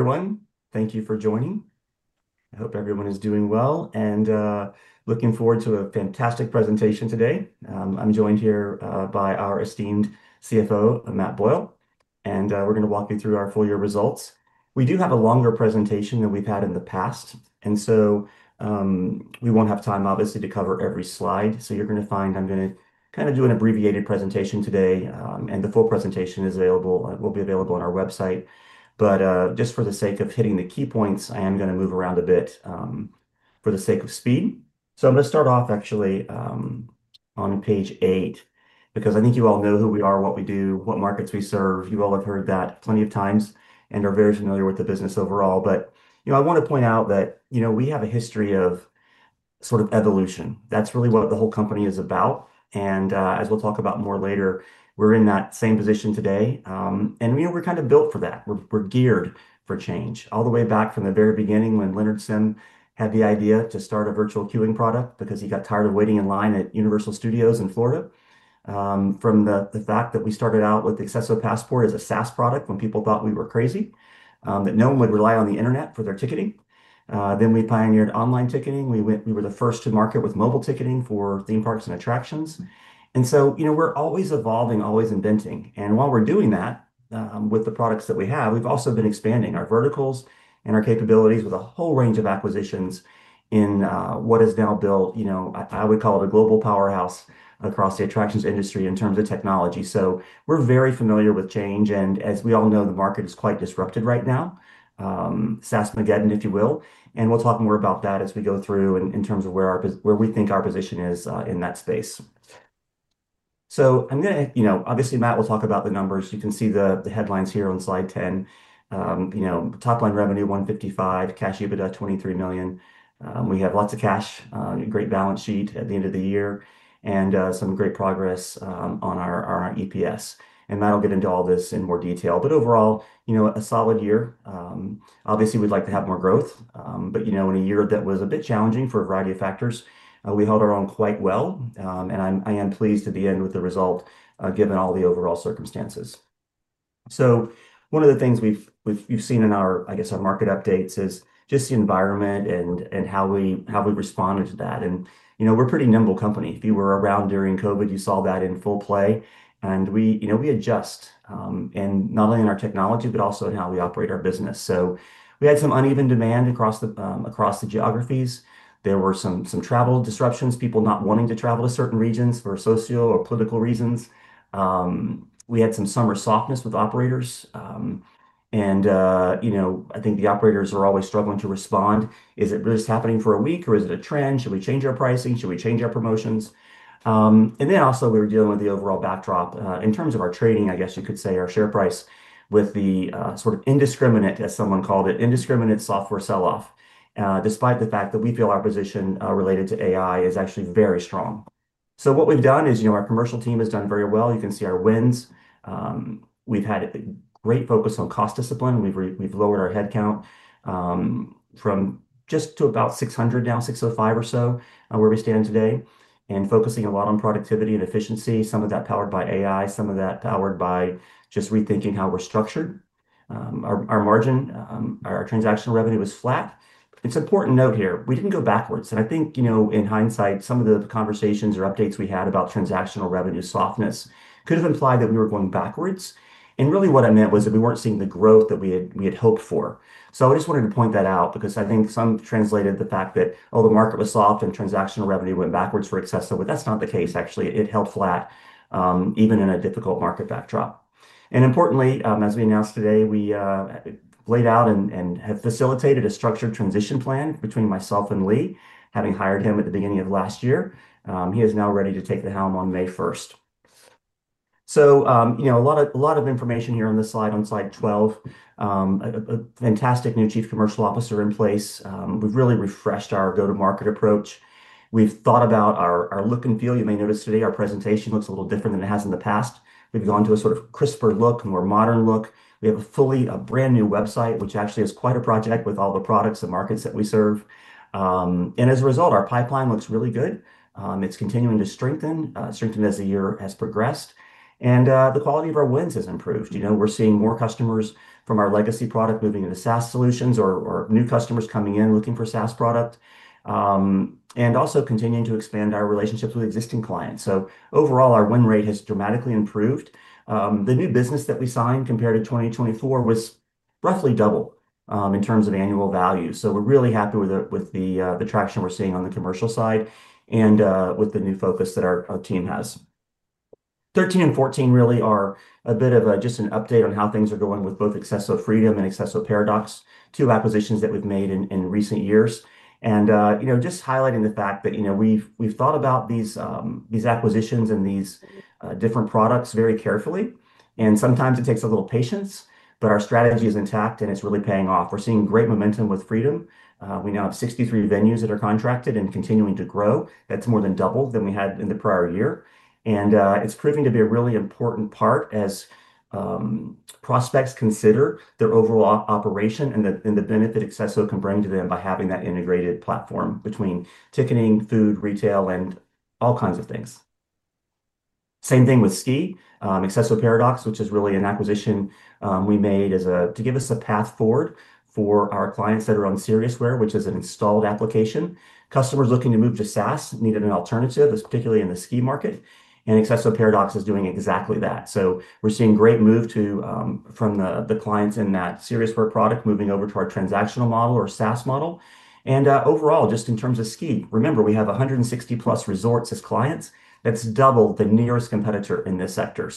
Hello, everyone. Thank you for joining. I hope everyone is doing well and looking forward to a fantastic presentation today. I'm joined here by our esteemed CFO, Matt Boyle, and we're gonna walk you through our full year results. We do have a longer presentation than we've had in the past, and so we won't have time, obviously, to cover every slide. You're gonna find I'm gonna kinda do an abbreviated presentation today, and the full presentation is available, will be available on our website. Just for the sake of hitting the key points, I am gonna move around a bit for the sake of speed. I'm gonna start off actually on page eight because I think you all know who we are, what we do, what markets we serve. You all have heard that plenty of times and are very familiar with the business overall. You know, I wanna point out that, you know, we have a history of sort of evolution. That's really what the whole company is about and, as we'll talk about more later, we're in that same position today. We're kind of built for that. We're geared for change all the way back from the very beginning when Leonard Sim had the idea to start a virtual queuing product because he got tired of waiting in line at Universal Studios in Florida. From the fact that we started out with the accesso Passport as a SaaS product when people thought we were crazy, that no one would rely on the Internet for their ticketing. We pioneered online ticketing. We were the first to market with mobile ticketing for theme parks and attractions. You know, we're always evolving, always inventing. While we're doing that, with the products that we have, we've also been expanding our verticals and our capabilities with a whole range of acquisitions in, what is now built, you know, I would call it a global powerhouse across the attractions industry in terms of technology. We're very familiar with change, and as we all know, the market is quite disrupted right now, [SaaS-mageddon, if you will]. We'll talk more about that as we go through in terms of where we think our position is, in that space. I'm gonna, you know, obviously, Matt will talk about the numbers. You can see the headlines here on slide 10. You know, top line revenue $155 million, Cash EBITDA $23 million. We have lots of cash, great balance sheet at the end of the year and some great progress on our EPS. Matt will get into all this in more detail. Overall, you know, a solid year. Obviously, we'd like to have more growth. You know, in a year that was a bit challenging for a variety of factors, we held our own quite well. I am pleased at the end with the result, given all the overall circumstances. One of the things you've seen in our, I guess, our market updates is just the environment and how we responded to that. You know, we're a pretty nimble company. If you were around during COVID, you saw that in full play. We, you know, we adjust in not only in our technology, but also in how we operate our business. We had some uneven demand across the across the geographies. There were some travel disruptions, people not wanting to travel to certain regions for socio or political reasons. We had some summer softness with operators. You know, I think the operators are always struggling to respond. Is it just happening for a week or is it a trend? Should we change our pricing? Should we change our promotions? We were dealing with the overall backdrop in terms of our trading, I guess you could say our share price with the sort of indiscriminate, as someone called it, indiscriminate software sell-off, despite the fact that we feel our position related to AI is actually very strong. What we've done is, you know, our commercial team has done very well. You can see our wins. We've had great focus on cost discipline. We've lowered our head count from just over 600 down to 605 or so, where we stand today, and focusing a lot on productivity and efficiency, some of that powered by AI, some of that powered by just rethinking how we're structured. Our margin, our transactional revenue was flat. It's important to note here, we didn't go backwards. I think, you know, in hindsight, some of the conversations or updates we had about transactional revenue softness could have implied that we were going backwards. Really what I meant was that we weren't seeing the growth that we had hoped for. I just wanted to point that out because I think some translated the fact that, oh, the market was soft and transactional revenue went backwards for accesso, but that's not the case actually. It held flat, even in a difficult market backdrop. Importantly, as we announced today, we laid out and have facilitated a structured transition plan between myself and Lee, having hired him at the beginning of last year. He is now ready to take the helm on May first. You know, a lot of information here on this slide, on slide 12. A fantastic new Chief Commercial Officer in place. We've really refreshed our go-to-market approach. We've thought about our look and feel. You may notice today our presentation looks a little different than it has in the past. We've gone to a sort of crisper look, a more modern look. We have a fully brand new website, which actually is quite a project with all the products and markets that we serve. As a result, our pipeline looks really good. It's continuing to strengthen as the year has progressed. The quality of our wins has improved. You know, we're seeing more customers from our legacy product moving into SaaS solutions or new customers coming in looking for SaaS product and also continuing to expand our relationships with existing clients. Overall, our win rate has dramatically improved. The new business that we signed compared to 2024 was roughly double in terms of annual value. We're really happy with the traction we're seeing on the commercial side and with the new focus that our team has. 13 and 14 really are a bit of a just an update on how things are going with both accesso Freedom and accesso Paradox, two acquisitions that we've made in recent years. You know, just highlighting the fact that, you know, we've thought about these acquisitions and these different products very carefully. Sometimes it takes a little patience, but our strategy is intact, and it's really paying off. We're seeing great momentum with accesso Freedom. We now have 63 venues that are contracted and continuing to grow. That's more than double than we had in the prior year. It's proving to be a really important part as prospects consider their overall operation and the benefit accesso can bring to them by having that integrated platform between ticketing, food, retail, and all kinds of things. Same thing with ski, accesso Paradox, which is really an acquisition we made to give us a path forward for our clients that are on accesso Siriusware, which is an installed application. Customers looking to move to SaaS needed an alternative, particularly in the ski market, and accesso Paradox is doing exactly that. We're seeing great move from the clients in that Siriusware product, moving over to our transactional model or SaaS model. Overall, just in terms of ski, remember we have 160+ resorts as clients. That's double the nearest competitor in this sector.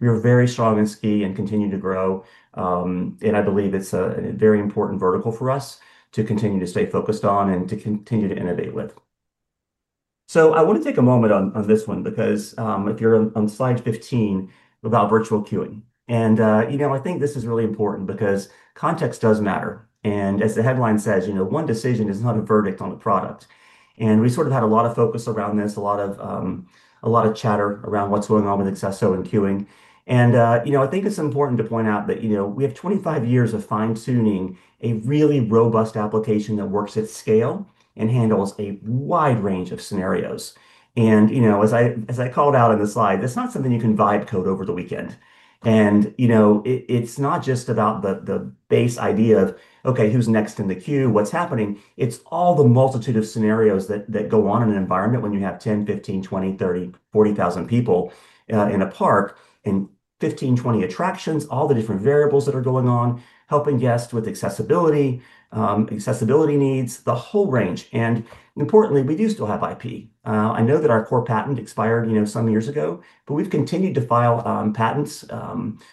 We are very strong in ski and continue to grow. I believe it's a very important vertical for us to continue to stay focused on and to continue to innovate with. I want to take a moment on this one because if you're on slide 15 about virtual queuing and you know I think this is really important because context does matter. As the headline says, you know, one decision is not a verdict on the product. We sort of had a lot of focus around this, a lot of chatter around what's going on with accesso and queuing. You know, I think it's important to point out that, you know, we have 25 years of fine-tuning a really robust application that works at scale and handles a wide range of scenarios. You know, as I called out in the slide, it's not something you can vibe code over the weekend. You know, it's not just about the base idea of, okay, who's next in the queue? What's happening? It's all the multitude of scenarios that go on in an environment when you have 10,000, 15,000, 20,000, 30,000, 40,000 people in a park, and 15, 20 attractions, all the different variables that are going on, helping guests with accessibility needs, the whole range. Importantly, we do still have IP. I know that our core patent expired, you know, some years ago, but we've continued to file patents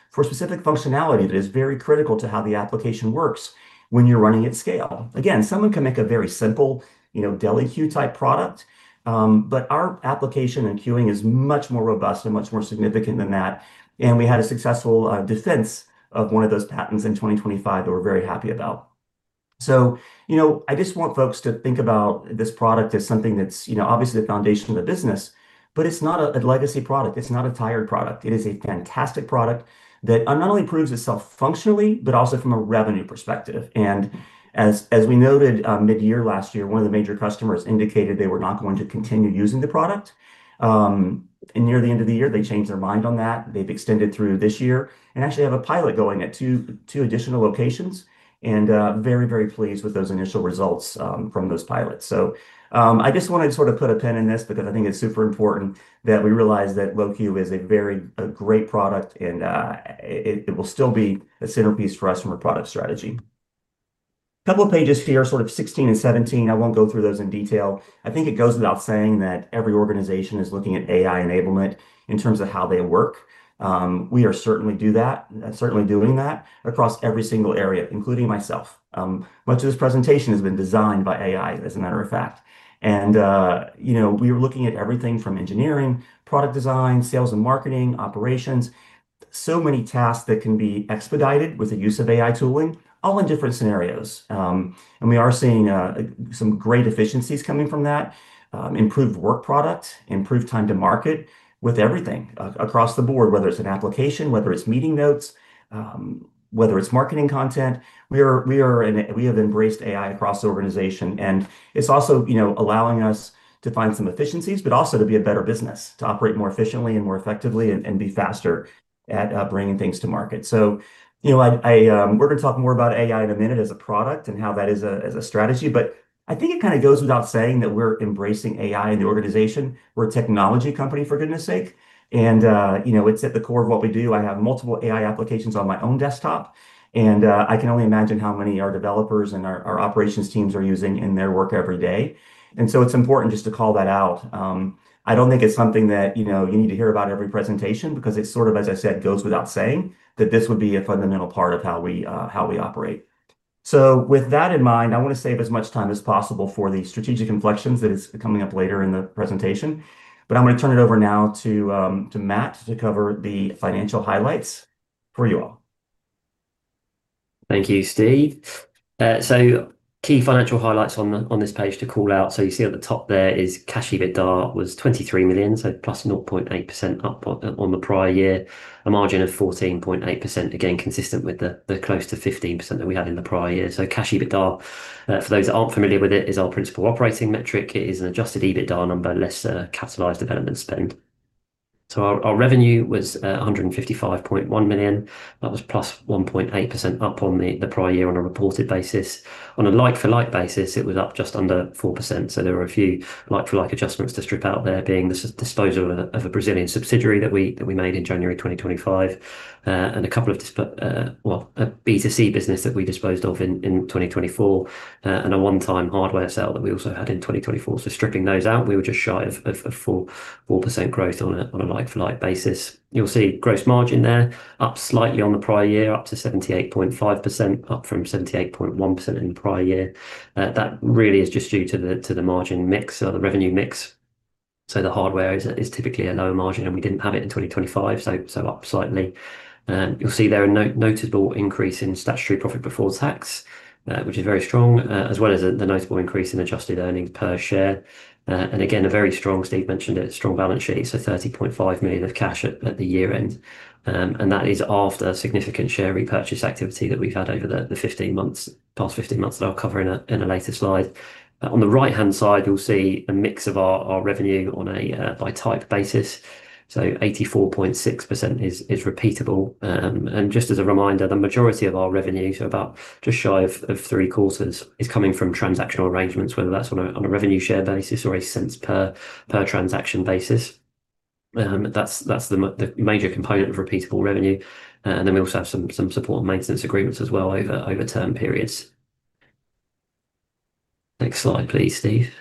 for specific functionality that is very critical to how the application works when you're running at scale. Again, someone can make a very simple, you know, deli queue type product. Our application and queuing is much more robust and much more significant than that. We had a successful defense of one of those patents in 2025 that we're very happy about. You know, I just want folks to think about this product as something that's, you know, obviously the foundation of the business, but it's not a legacy product. It's not a tired product. It is a fantastic product that not only proves itself functionally, but also from a revenue perspective. As we noted mid-year last year, one of the major customers indicated they were not going to continue using the product. Near the end of the year, they changed their mind on that. They've extended through this year and actually have a pilot going at two additional locations and very pleased with those initial results from those pilots. I just wanted to sort of put a pin in this because I think it's super important that we realize that LoQueue is a great product and it will still be a centerpiece for us from a product strategy. Couple of pages here, sort of 16 and 17. I won't go through those in detail. I think it goes without saying that every organization is looking at AI enablement in terms of how they work. We are certainly doing that across every single area, including myself. Much of this presentation has been designed by AI, as a matter of fact. You know, we are looking at everything from engineering, product design, sales and marketing, operations. So many tasks that can be expedited with the use of AI tooling, all in different scenarios. We are seeing some great efficiencies coming from that. Improved work product, improved time to market with everything across the board, whether it's an application, whether it's meeting notes, whether it's marketing content. We have embraced AI across the organization, and it's also, you know, allowing us to find some efficiencies, but also to be a better business, to operate more efficiently and more effectively and be faster at bringing things to market. You know, we're gonna talk more about AI in a minute as a product and how that is a strategy. I think it kinda goes without saying that we're embracing AI in the organization. We're a technology company, for goodness sake. You know, it's at the core of what we do. I have multiple AI applications on my own desktop, and I can only imagine how many our developers and our operations teams are using in their work every day. It's important just to call that out. I don't think it's something that, you know, you need to hear about every presentation because it sort of, as I said, goes without saying that this would be a fundamental part of how we, how we operate. With that in mind, I wanna save as much time as possible for the strategic inflections that is coming up later in the presentation. I'm gonna turn it over now to Matt to cover the financial highlights for you all. Thank you, Steve. Key financial highlights on this page to call out. You see at the top there is cash EBITDA was $23 million, so +0.8% up on the prior year. A margin of 14.8%, again, consistent with the close to 15% that we had in the prior year. Cash EBITDA, for those that aren't familiar with it, is our principal operating metric. It is an Adjusted EBITDA number less capitalized development spend. Our revenue was $155.1 million. That was +1.8% up on the prior year on a reported basis. On a like-for-like basis, it was up just under 4%. There are a few like-for-like adjustments to strip out there being the disposal of a Brazilian subsidiary that we made in January 2025, and a couple of, well, a B2C business that we disposed of in 2024, and a one-time hardware sale that we also had in 2024. Stripping those out, we were just shy of 4% growth on a like-for-like basis. You'll see gross margin there up slightly on the prior year, up to 78.5%, up from 78.1% in the prior year. That really is just due to the margin mix or the revenue mix. The hardware is typically a lower margin, and we didn't have it in 2025, so up slightly. You'll see there a noticeable increase in statutory profit before tax, which is very strong, as well as the notable increase in adjusted earnings per share. Again, a very strong, Steve mentioned it, strong balance sheet, so $30.5 million of cash at the year-end. That is after significant share repurchase activity that we've had over the 15 months, past 15 months that I'll cover in a later slide. On the right-hand side, you'll see a mix of our revenue on a by type basis. 84.6% is repeatable. Just as a reminder, the majority of our revenue, so about just shy of three-quarters, is coming from transactional arrangements, whether that's on a revenue share basis or a cents per transaction basis. That's the major component of repeatable revenue. Then we also have some support and maintenance agreements as well over term periods. Next slide, please, Steve.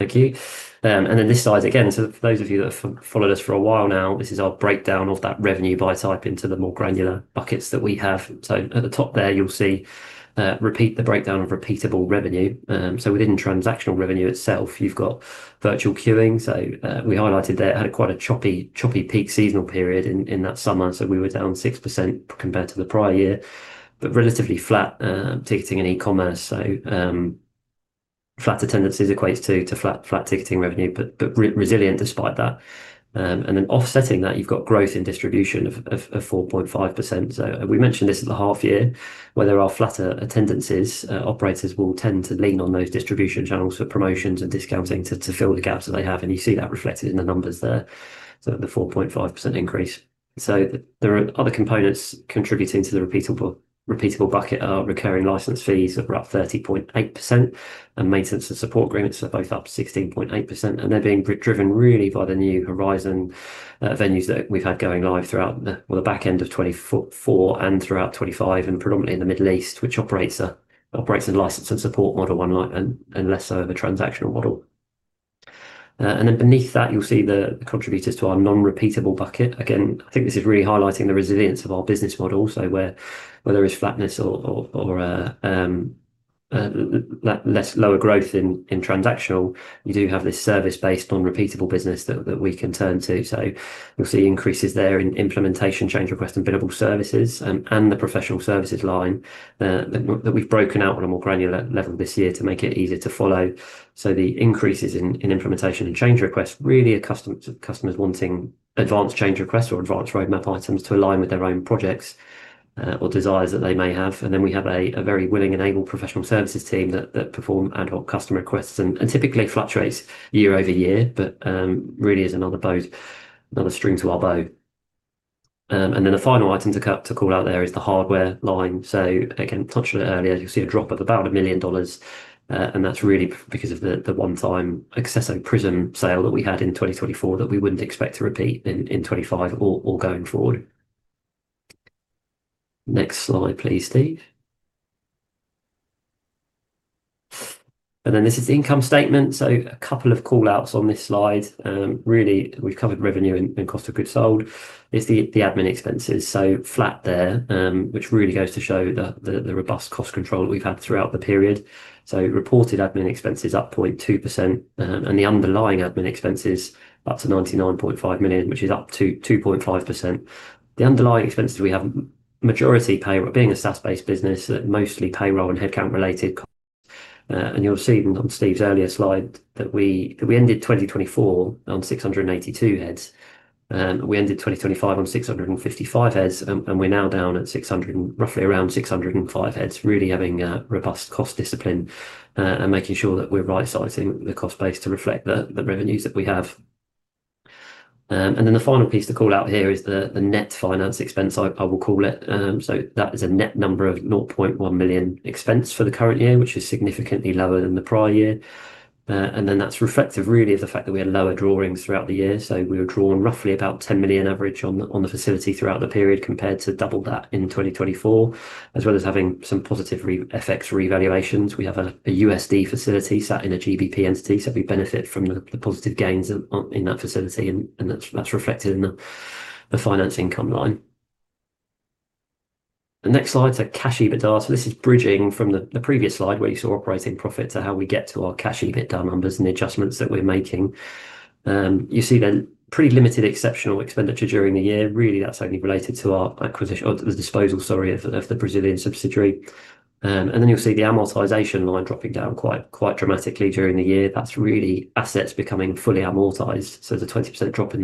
Thank you. This slide again, so for those of you that have followed us for a while now, this is our breakdown of that revenue by type into the more granular buckets that we have. At the top there you'll see repeat the breakdown of repeatable revenue. Within transactional revenue itself, you've got virtual queuing. We highlighted there had quite a choppy peak seasonal period in that summer. We were down 6% compared to the prior year, but relatively flat, ticketing and e-commerce. Flatter tendencies equates to flat ticketing revenue, but resilient despite that. Then offsetting that, you've got growth in distribution of 4.5%. We mentioned this at the half year where there are flatter attendances, operators will tend to lean on those distribution channels for promotions and discounting to fill the gaps that they have. You see that reflected in the numbers there. The 4.5% increase. There are other components contributing to the recurring bucket are recurring license fees of up 30.8% and maintenance and support agreements are both up 16.8%. They're being driven really by the new Horizon venues that we've had going live throughout the, well, the back end of 2024 and throughout 2025, and predominantly in the Middle East, which operates a license and support model and less so of a transactional model. Then beneath that you'll see the contributors to our non-repeatable bucket. Again, I think this is really highlighting the resilience of our business model, so where there is flatness or lower growth in transactional, you do have this service-based non-repeatable business that we can turn to. You'll see increases there in implementation change request and billable services and the professional services line that we've broken out on a more granular level this year to make it easier to follow. The increases in implementation and change requests really are custom to customers wanting advanced change requests or advanced roadmap items to align with their own projects, or desires that they may have. We have a very willing and able professional services team that perform ad hoc customer requests and typically it fluctuates year-over-year. It really is another string to our bow. The final item to call out there is the hardware line. Again, touched on it earlier. You'll see a drop of about $1 million, and that's really because of the one-time accesso Prism sale that we had in 2024 that we wouldn't expect to repeat in 2025 or going forward. Next slide, please, Steve. This is the income statement. A couple of call-outs on this slide. Really we've covered revenue and cost of goods sold. It's the admin expenses so flat there, which really goes to show the robust cost control that we've had throughout the period. Reported admin expenses up 0.2%, and the underlying admin expenses up to $99.5 million, which is up 2.5%. The underlying expenses, we have majority payroll being a SaaS-based business, mostly payroll and headcount-related costs. And you'll see on Steve's earlier slide that we ended 2024 on 682 heads. We ended 2025 on 655 heads, and we're now down at roughly around 605 heads, really having a robust cost discipline, and making sure that we're right-sizing the cost base to reflect the revenues that we have. The final piece to call out here is the net finance expense, I will call it. That is a net number of $0.1 million expense for the current year, which is significantly lower than the prior year. That's reflective really of the fact that we had lower drawings throughout the year. We were drawing roughly about $10 million average on the facility throughout the period compared to double that in 2024, as well as having some positive FX revaluations. We have a USD facility sat in a GBP entity, so we benefit from the positive gains in that facility and that's reflected in the finance income line. The next slide is our Cash EBITDA. This is bridging from the previous slide where you saw operating profit to how we get to our Cash EBITDA numbers and the adjustments that we're making. You see the pretty limited exceptional expenditure during the year, really that's only related to our acquisition or to the disposal, sorry, of the Brazilian subsidiary. You'll see the amortization line dropping down quite dramatically during the year. That's really assets becoming fully amortized. The 20% drop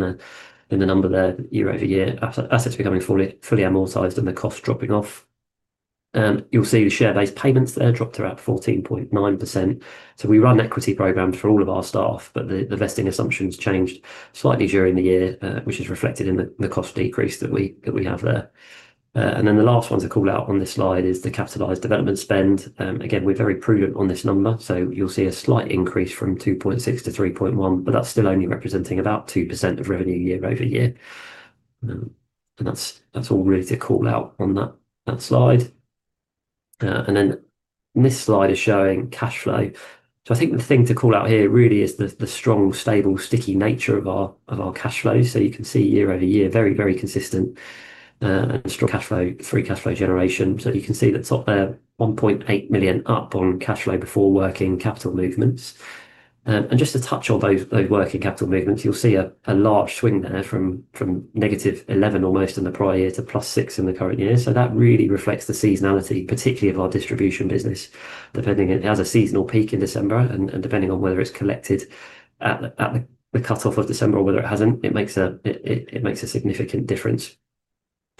in the number there year-over-year, assets becoming fully amortized and the cost dropping off. You'll see the share-based payments there dropped around 14.9%. We run equity programs for all of our staff but the vesting assumptions changed slightly during the year, which is reflected in the cost decrease that we have there. The last one to call out on this slide is the capitalized development spend. Again, we're very prudent on this number. You'll see a slight increase from $2.6 million to $3.1 million, but that's still only representing about 2% of revenue year-over-year. That's all really to call out on that slide. This slide is showing cash flow. I think the thing to call out here really is the strong, stable, sticky nature of our cash flows. You can see year-over-year, very, very consistent, strong cash flow, free cash flow generation. You can see the top there, $1.8 million up on cash flow before working capital movements. And just to touch on those working capital movements, you'll see a large swing there from almost -$11 million in the prior year to +$6 million in the current year. That really reflects the seasonality, particularly of our distribution business, depending. It has a seasonal peak in December and depending on whether it's collected at the cutoff of December or whether it hasn't, it makes a significant difference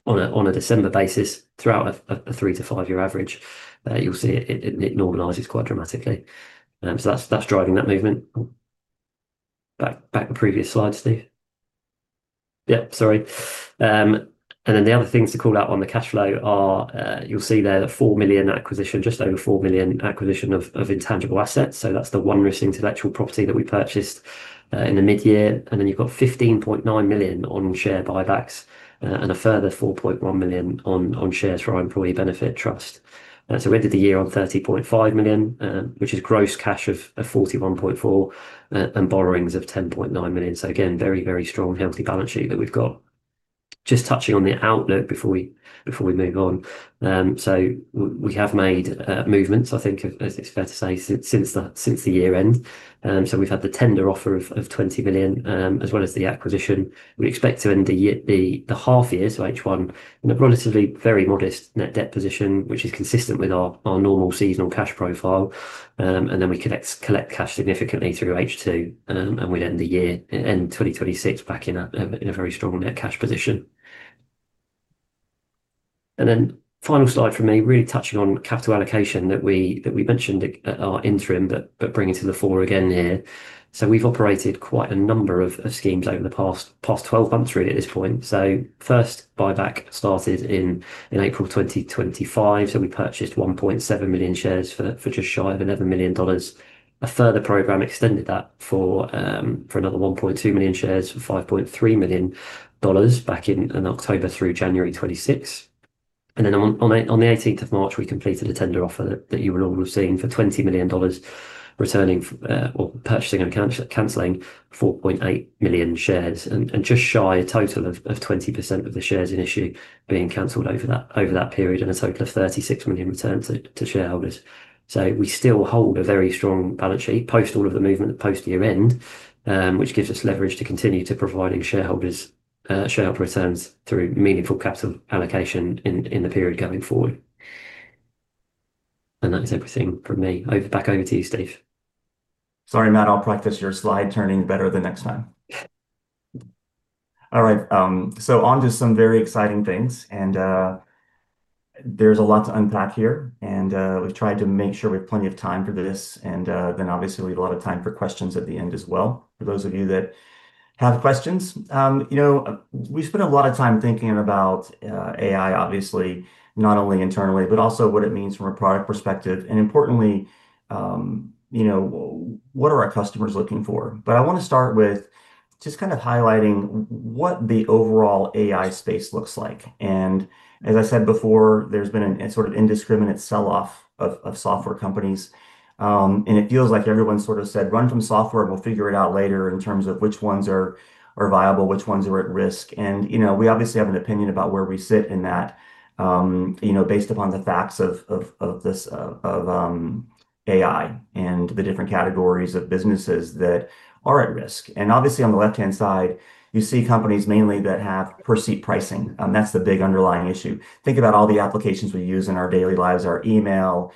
on a December basis throughout a three to five year average. You'll see it normalizes quite dramatically. That's driving that movement. Back to the previous slide, Steve. Yeah, sorry. Then the other things to call out on the cash flow are, you'll see there the $4 million acquisition, just over $4 million acquisition of intangible assets. So that's the IP that we purchased in the mid-year. Then you've got $15.9 million on share buybacks, and a further $4.1 million on shares for our employee benefit trust. So we ended the year on $30.5 million, which is gross cash of $41.4 million and borrowings of $10.9 million. So again, very strong, healthy balance sheet that we've got. Just touching on the outlook before we move on. We have made movements, I think as it's fair to say, since the year end. We've had the tender offer of $20 million, as well as the acquisition. We expect to end the half year, so H1, in a relatively very modest net debt position, which is consistent with our normal seasonal cash profile. We collect cash significantly through H2, and we'd end the year, end 2026, back in a very strong net cash position. Then final slide from me, really touching on capital allocation that we mentioned at our interim but bringing to the fore again here. We've operated quite a number of schemes over the past 12 months really at this point. First buyback started in April 2025. We purchased 1.7 million shares for just shy of $11 million. A further program extended that for another 1.2 million shares for $5.3 million back in October through January 2026. Then on the 18th of March, we completed a tender offer that you will all have seen for $20 million, returning or purchasing and canceling 4.8 million shares. Just shy of a total of 20% of the shares in issue being canceled over that period, and a total of $36 million returned to shareholders. We still hold a very strong balance sheet post all of the movement post year-end, which gives us leverage to continue to providing shareholders, shareholder returns through meaningful capital allocation in the period going forward. That is everything from me. Back over to you, Steve. Sorry, Matt, I'll practice your slide turning better the next time. All right. On to some very exciting things, and there's a lot to unpack here. We've tried to make sure we have plenty of time for this. Then obviously leave a lot of time for questions at the end as well for those of you that have questions. You know, we spend a lot of time thinking about AI, obviously, not only internally, but also what it means from a product perspective. Importantly, you know, what are our customers looking for. I wanna start with just kind of highlighting what the overall AI space looks like. As I said before, there's been a sort of indiscriminate sell-off of software companies. It feels like everyone sort of said, "Run from software, and we'll figure it out later," in terms of which ones are viable, which ones are at risk. You know, we obviously have an opinion about where we sit in that, you know, based upon the facts of this AI and the different categories of businesses that are at risk. Obviously, on the left-hand side, you see companies mainly that have per seat pricing, and that's the big underlying issue. Think about all the applications we use in our daily lives, our email,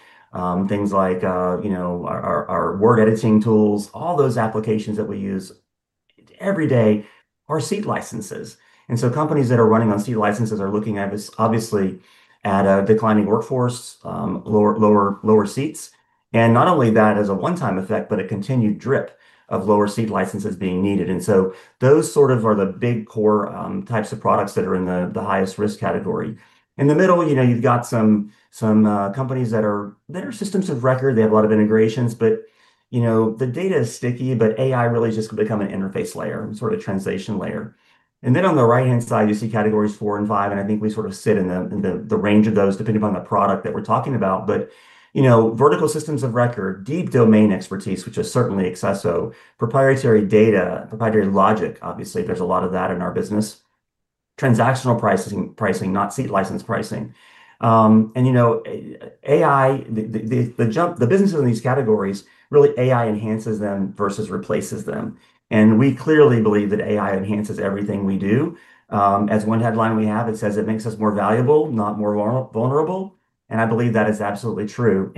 things like, you know, our word editing tools, all those applications that we use every day are seat licenses. Companies that are running on seat licenses are looking at this obviously at a declining workforce, lower seats. Not only that as a one-time effect, but a continued drip of lower seat licenses being needed. Those sort of are the big core types of products that are in the highest risk category. In the middle, you know, you've got some companies that are systems of record. They have a lot of integrations, but, you know, the data is sticky, but AI really is just become an interface layer and sort of translation layer. Then on the right-hand side, you see categories four and five, and I think we sort of sit in the range of those depending upon the product that we're talking about. You know, vertical systems of record, deep domain expertise, which is certainly accesso, proprietary data, proprietary logic, obviously, there's a lot of that in our business. Transactional pricing, not seat license pricing. You know, AI, the businesses in these categories, really AI enhances them versus replaces them. We clearly believe that AI enhances everything we do. As one headline we have, it says, "It makes us more valuable, not more vulnerable." I believe that is absolutely true.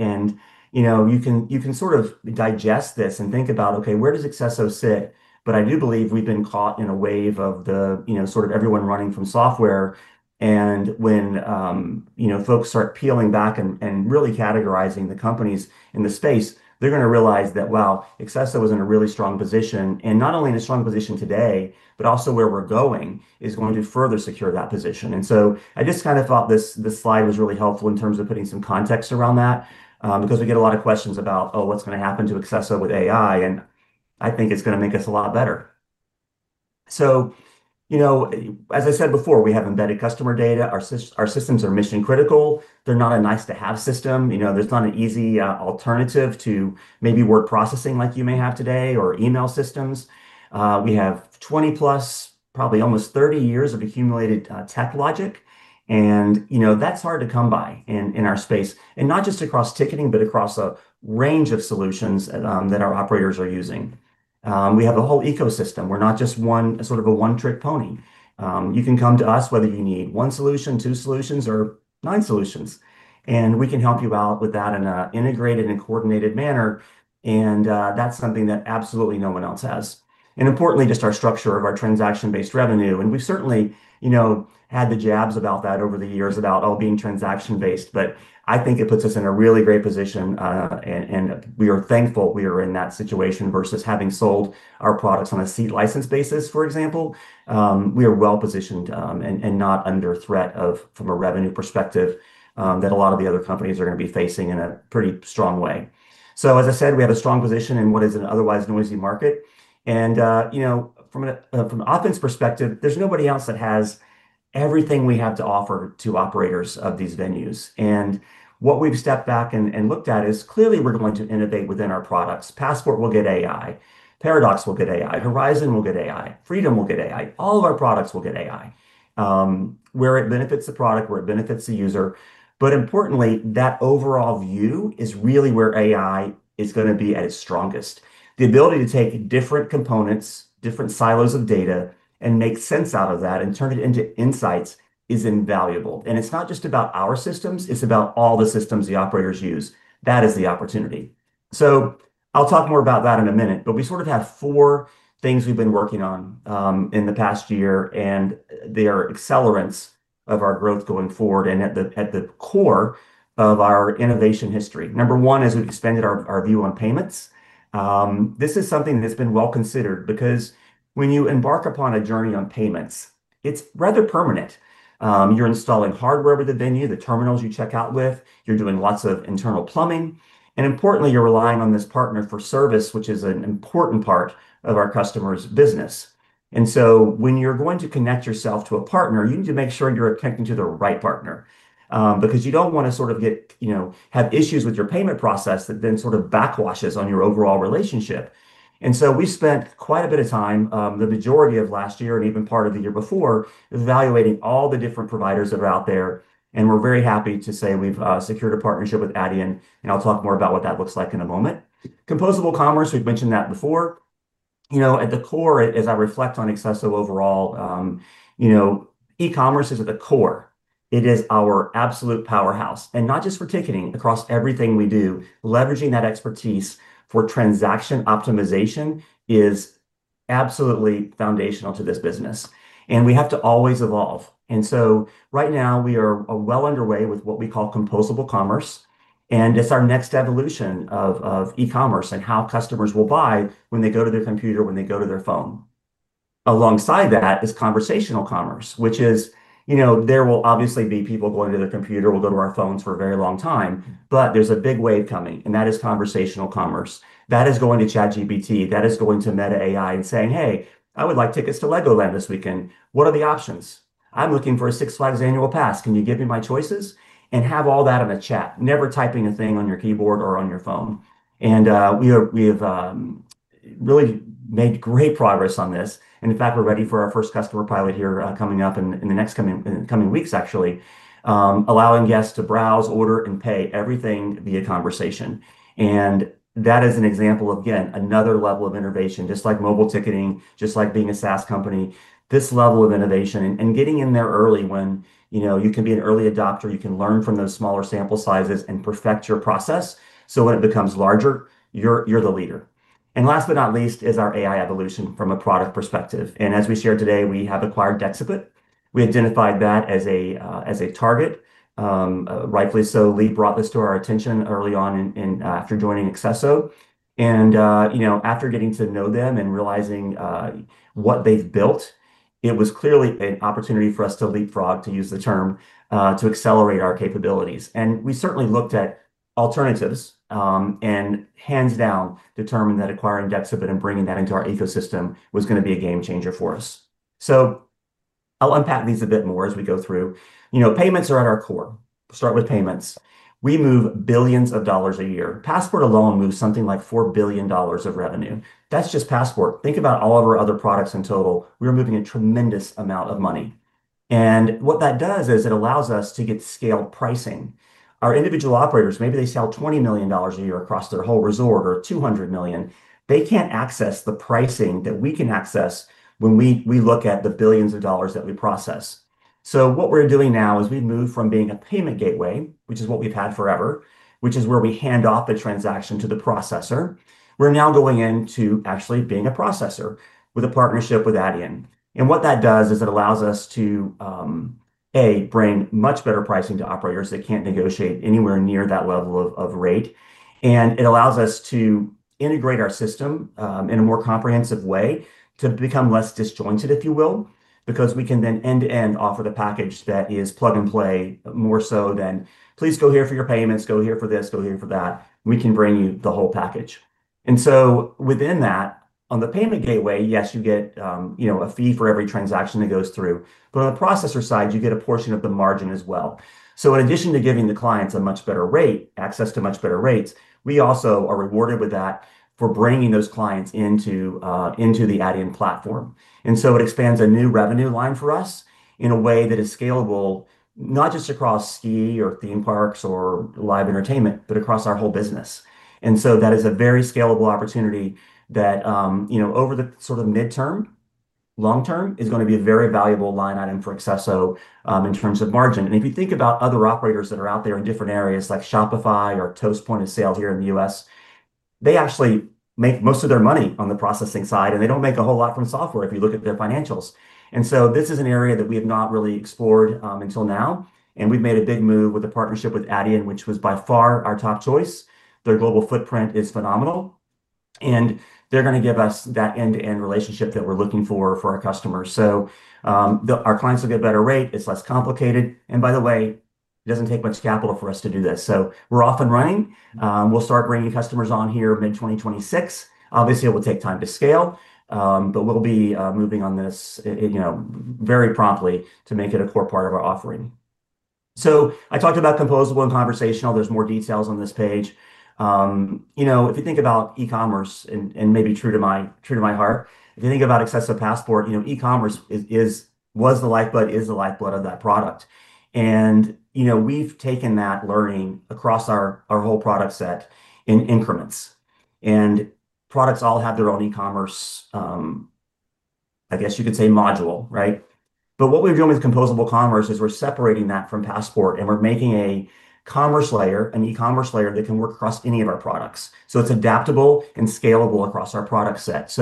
You know, you can sort of digest this and think about, okay, where does accesso sit? I do believe we've been caught in a wave of the, you know, sort of everyone running from software. You know, folks start peeling back and really categorizing the companies in the space, they're gonna realize that, well, accesso was in a really strong position, and not only in a strong position today, but also where we're going is going to further secure that position. I just kind of thought this slide was really helpful in terms of putting some context around that, because we get a lot of questions about, oh, what's gonna happen to accesso with AI, and I think it's gonna make us a lot better. You know, as I said before, we have embedded customer data. Our systems are mission-critical. They're not a nice to have system. You know, there's not an easy alternative to maybe word processing like you may have today or email systems. We have 20+, probably almost 30 years of accumulated tech logic, and you know, that's hard to come by in our space, and not just across ticketing, but across a range of solutions that our operators are using. We have a whole ecosystem. We're not just one, sort of a one-trick pony. You can come to us whether you need one solution, two solutions, or nine solutions, and we can help you out with that in an integrated and coordinated manner. That's something that absolutely no one else has. Importantly, just our structure of our transaction-based revenue. We've certainly, you know, had the jabs about that over the years about all being transaction-based, but I think it puts us in a really great position, and we are thankful we are in that situation versus having sold our products on a seat license basis, for example. We are well-positioned, and not under threat of, from a revenue perspective, that a lot of the other companies are gonna be facing in a pretty strong way. As I said, we have a strong position in what is an otherwise noisy market. You know, from accesso's perspective, there's nobody else that has everything we have to offer to operators of these venues. What we've stepped back and looked at is clearly we're going to innovate within our products. Passport will get AI. Paradox will get AI. Horizon will get AI. Freedom will get AI. All of our products will get AI, where it benefits the product, where it benefits the user. But importantly, that overall view is really where AI is gonna be at its strongest. The ability to take different components, different silos of data, and make sense out of that and turn it into insights is invaluable. It's not just about our systems, it's about all the systems the operators use. That is the opportunity. I'll talk more about that in a minute, but we sort of have four things we've been working on in the past year, and they are accelerants of our growth going forward and at the core of our innovation history. Number one is we've expanded our view on payments. This is something that's been well considered because when you embark upon a journey on payments, it's rather permanent. You're installing hardware with the venue, the terminals you check out with, you're doing lots of internal plumbing, and importantly, you're relying on this partner for service, which is an important part of our customer's business. When you're going to connect yourself to a partner, you need to make sure you're connecting to the right partner, because you don't wanna sort of get, you know, have issues with your payment process that then sort of backwashes on your overall relationship. We spent quite a bit of time, the majority of last year and even part of the year before, evaluating all the different providers that are out there, and we're very happy to say we've secured a partnership with Adyen, and I'll talk more about what that looks like in a moment. Composable commerce, we've mentioned that before. You know, at the core, as I reflect on accesso overall, you know, e-commerce is at the core. It is our absolute powerhouse, and not just for ticketing across everything we do. Leveraging that expertise for transaction optimization is absolutely foundational to this business, and we have to always evolve. Right now we are well underway with what we call composable commerce, and it's our next evolution of e-commerce and how customers will buy when they go to their computer, when they go to their phone. Alongside that is conversational commerce, which is, you know, there will obviously be people going to their computer or go to their phones for a very long time, but there's a big wave coming, and that is conversational commerce. That is going to ChatGPT, that is going to Meta AI and saying, "Hey, I would like tickets to Legoland this weekend. What are the options? I'm looking for a Six Flags annual pass. Can you give me my choices?" And have all that in a chat, never typing a thing on your keyboard or on your phone. We have really made great progress on this. In fact, we're ready for our first customer pilot here, coming up in the coming weeks actually, allowing guests to browse, order, and pay everything via conversation. That is an example of, again, another level of innovation, just like mobile ticketing, just like being a SaaS company, this level of innovation and getting in there early when, you know, you can be an early adopter, you can learn from those smaller sample sizes and perfect your process, so when it becomes larger, you're the leader. Last but not least is our AI evolution from a product perspective. As we shared today, we have acquired Dexibit. We identified that as a target. Rightfully so, Lee brought this to our attention early on after joining accesso. You know, after getting to know them and realizing what they've built, it was clearly an opportunity for us to leapfrog, to use the term, to accelerate our capabilities. We certainly looked at alternatives and hands down determined that acquiring Dexibit and bringing that into our ecosystem was gonna be a game changer for us. I'll unpack these a bit more as we go through. You know, payments are at our core. Start with payments. We move billions of dollars a year. Passport alone moves something like $4 billion of revenue. That's just Passport. Think about all of our other products in total. We are moving a tremendous amount of money. What that does is it allows us to get scaled pricing. Our individual operators, maybe they sell $20 million a year across their whole resort or $200 million, they can't access the pricing that we can access when we look at the billions of dollars that we process. What we're doing now is we've moved from being a payment gateway, which is what we've had forever, which is where we hand off the transaction to the processor. We're now going into actually being a processor with a partnership with Adyen. What that does is it allows us to bring much better pricing to operators that can't negotiate anywhere near that level of rate, and it allows us to integrate our system in a more comprehensive way to become less disjointed, if you will, because we can then end-to-end offer the package that is plug and play more so than, "Please go here for your payments, go here for this, go here for that." We can bring you the whole package. Within that, on the payment gateway, yes, you get, you know, a fee for every transaction that goes through. But on the processor side, you get a portion of the margin as well. In addition to giving the clients a much better rate, access to much better rates, we also are rewarded with that for bringing those clients into into the Adyen platform. It expands a new revenue line for us in a way that is scalable, not just across ski or theme parks or live entertainment, but across our whole business. That is a very scalable opportunity that, you know, over the sort of mid- to long-term is going to be a very valuable line item for accesso in terms of margin. If you think about other operators that are out there in different areas like Shopify or Toast point of sale here in the U.S., they actually make most of their money on the processing side, and they don't make a whole lot from software if you look at their financials. This is an area that we have not really explored until now, and we've made a big move with the partnership with Adyen, which was by far our top choice. Their global footprint is phenomenal, and they're going to give us that end-to-end relationship that we're looking for for our customers. Our clients will get a better rate, it's less complicated, and by the way, it doesn't take much capital for us to do this. We're off and running. We'll start bringing customers on here mid-2026. Obviously, it will take time to scale, but we'll be moving on this you know very promptly to make it a core part of our offering. I talked about composable and conversational. There's more details on this page. You know, if you think about e-commerce and maybe true to my heart, if you think about accesso Passport, you know, e-commerce is, was the lifeblood, is the lifeblood of that product. We've taken that learning across our whole product set in increments. Products all have their own e-commerce, I guess you could say module, right? What we've done with composable commerce is we're separating that from Passport, and we're making a commerce layer, an e-commerce layer that can work across any of our products. It's adaptable and scalable across our product set.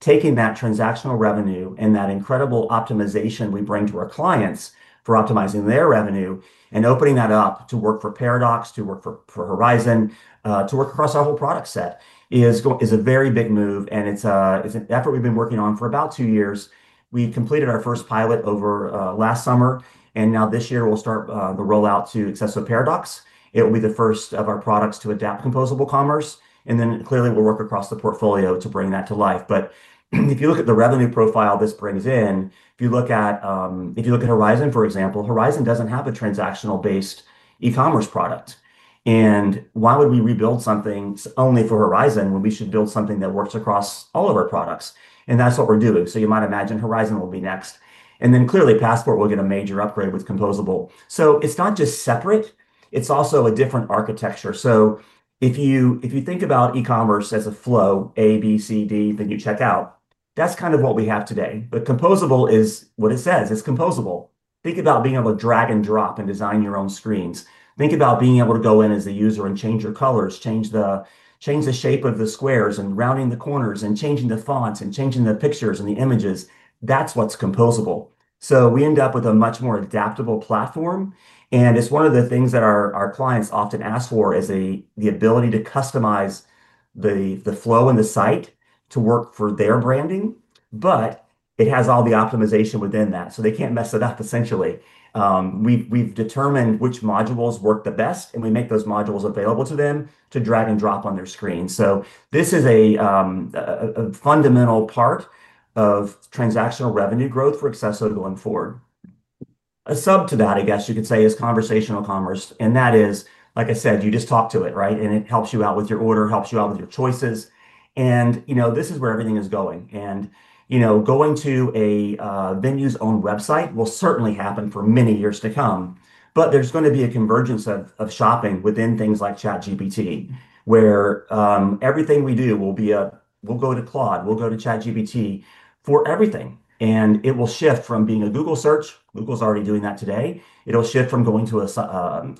Taking that transactional revenue and that incredible optimization we bring to our clients for optimizing their revenue and opening that up to work for Paradox, to work for Horizon, to work across our whole product set is a very big move, and it's an effort we've been working on for about two years. We completed our first pilot over last summer, and now this year we'll start the rollout to accesso Paradox. It will be the first of our products to adapt composable commerce, and then clearly we'll work across the portfolio to bring that to life. But if you look at the revenue profile this brings in, if you look at Horizon, for example, Horizon doesn't have a transactional-based e-commerce product. Why would we rebuild something only for Horizon when we should build something that works across all of our products? That's what we're doing. You might imagine Horizon will be next. Clearly Passport will get a major upgrade with composable. It's not just separate. It's also a different architecture. If you think about e-commerce as a flow, A, B, C, D, then you check out, that's kind of what we have today. Composable is what it says. It's composable. Think about being able to drag and drop and design your own screens. Think about being able to go in as a user and change your colors, change the shape of the squares, and rounding the corners and changing the fonts and changing the pictures and the images. That's what's composable. We end up with a much more adaptable platform, and it's one of the things that our clients often ask for is the ability to customize the flow in the site to work for their branding. It has all the optimization within that, so they can't mess it up essentially. We've determined which modules work the best, and we make those modules available to them to drag and drop on their screen. This is a fundamental part of transactional revenue growth for accesso going forward. A subset to that, I guess you could say, is conversational commerce, and that is, like I said, you just talk to it, right? And it helps you out with your order, helps you out with your choices. You know, this is where everything is going. You know, going to a venue's own website will certainly happen for many years to come, but there's going to be a convergence of shopping within things like ChatGPT, where everything we do will be, we'll go to Claude, we'll go to ChatGPT for everything, and it will shift from being a Google search. Google's already doing that today. It'll shift from going to a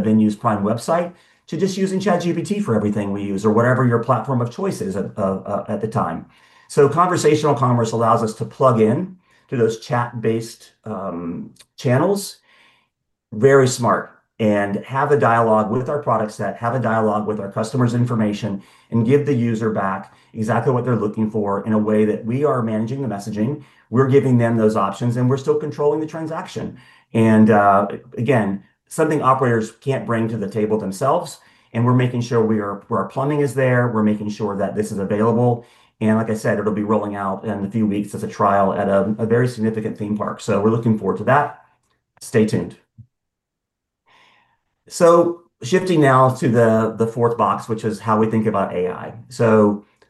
venue's prime website to just using ChatGPT for everything we use or whatever your platform of choice is at the time. Conversational commerce allows us to plug in to those chat-based channels, very smart, and have a dialogue with our product set, have a dialogue with our customer's information and give the user back exactly what they're looking for in a way that we are managing the messaging, we're giving them those options, and we're still controlling the transaction. Again, something operators can't bring to the table themselves, and we're making sure we are, our plumbing is there. We're making sure that this is available. Like I said, it'll be rolling out in a few weeks as a trial at a very significant theme park. We're looking forward to that. Stay tuned. Shifting now to the fourth box, which is how we think about AI.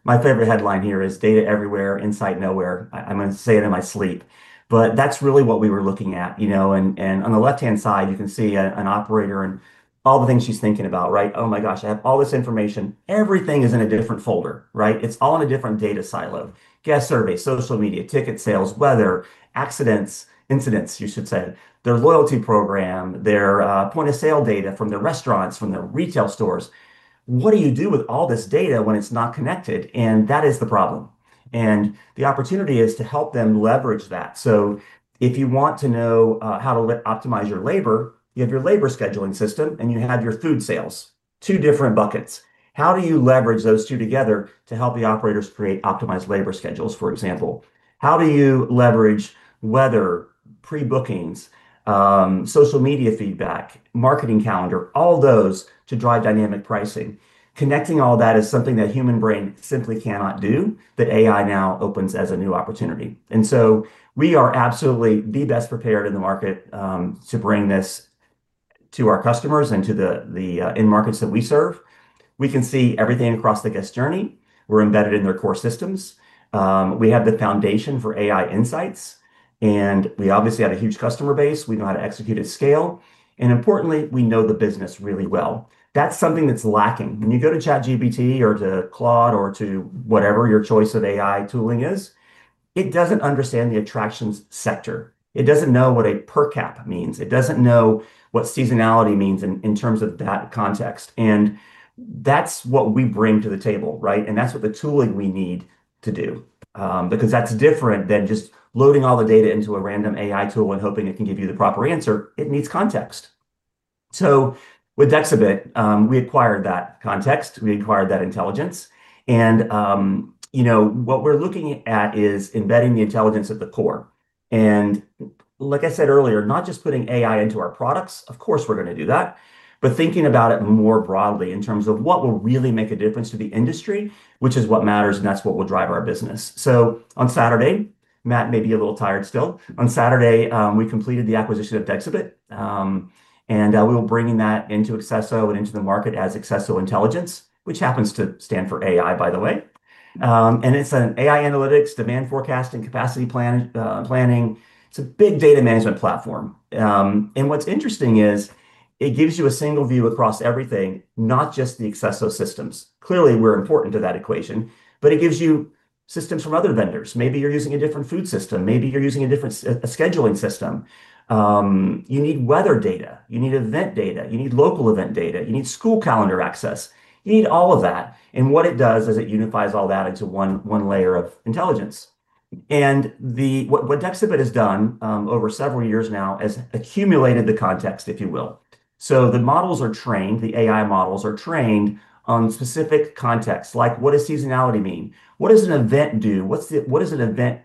My favorite headline here is "Data everywhere. Insight nowhere." I'm gonna say it in my sleep. That's really what we were looking at, and on the left-hand side, you can see an operator and all the things she's thinking about, right? Oh my gosh, I have all this information. Everything is in a different folder, right? It's all in a different data silo. Guest surveys, social media, ticket sales, weather, accidents, incidents, you should say, their loyalty program, their point-of-sale data from their restaurants, from their retail stores. What do you do with all this data when it's not connected? That is the problem. The opportunity is to help them leverage that. If you want to know how to optimize your labor, you have your labor scheduling system, and you have your food sales. Two different buckets. How do you leverage those two together to help the operators create optimized labor schedules, for example? How do you leverage weather, pre-bookings, social media feedback, marketing calendar, all those to drive dynamic pricing? Connecting all that is something that a human brain simply cannot do, but AI now opens as a new opportunity. We are absolutely the best prepared in the market to bring this to our customers and to the end markets that we serve. We can see everything across the guest journey. We're embedded in their core systems. We have the foundation for AI insights. We obviously have a huge customer base. We know how to execute at scale. Importantly, we know the business really well. That's something that's lacking. When you go to ChatGPT or to Claude or to whatever your choice of AI tooling is, it doesn't understand the attractions sector. It doesn't know what a per cap means. It doesn't know what seasonality means in terms of that context. That's what we bring to the table, right? That's what the tooling we need to do, because that's different than just loading all the data into a random AI tool and hoping it can give you the proper answer. It needs context. With Dexibit, we acquired that context, we acquired that intelligence. You know, what we're looking at is embedding the intelligence at the core. Like I said earlier, not just putting AI into our products, of course, we're gonna do that, but thinking about it more broadly in terms of what will really make a difference to the industry, which is what matters, and that's what will drive our business. On Saturday, Matt may be a little tired still. On Saturday, we completed the acquisition of Dexibit, and we're bringing that into accesso and into the market as accesso Intelligence, which happens to stand for AI, by the way. And it's an AI analytics, demand forecasting, capacity planning. It's a big data management platform. And what's interesting is it gives you a single view across everything, not just the accesso systems. Clearly, we're important to that equation, but it gives you systems from other vendors. Maybe you're using a different food system, maybe you're using a different a scheduling system. You need weather data, you need event data, you need local event data, you need school calendar access, you need all of that. What it does is it unifies all that into one layer of intelligence. What Dexibit has done over several years now is accumulated the context, if you will. The models are trained, the AI models are trained on specific contexts, like what does seasonality mean? What does an event do? What event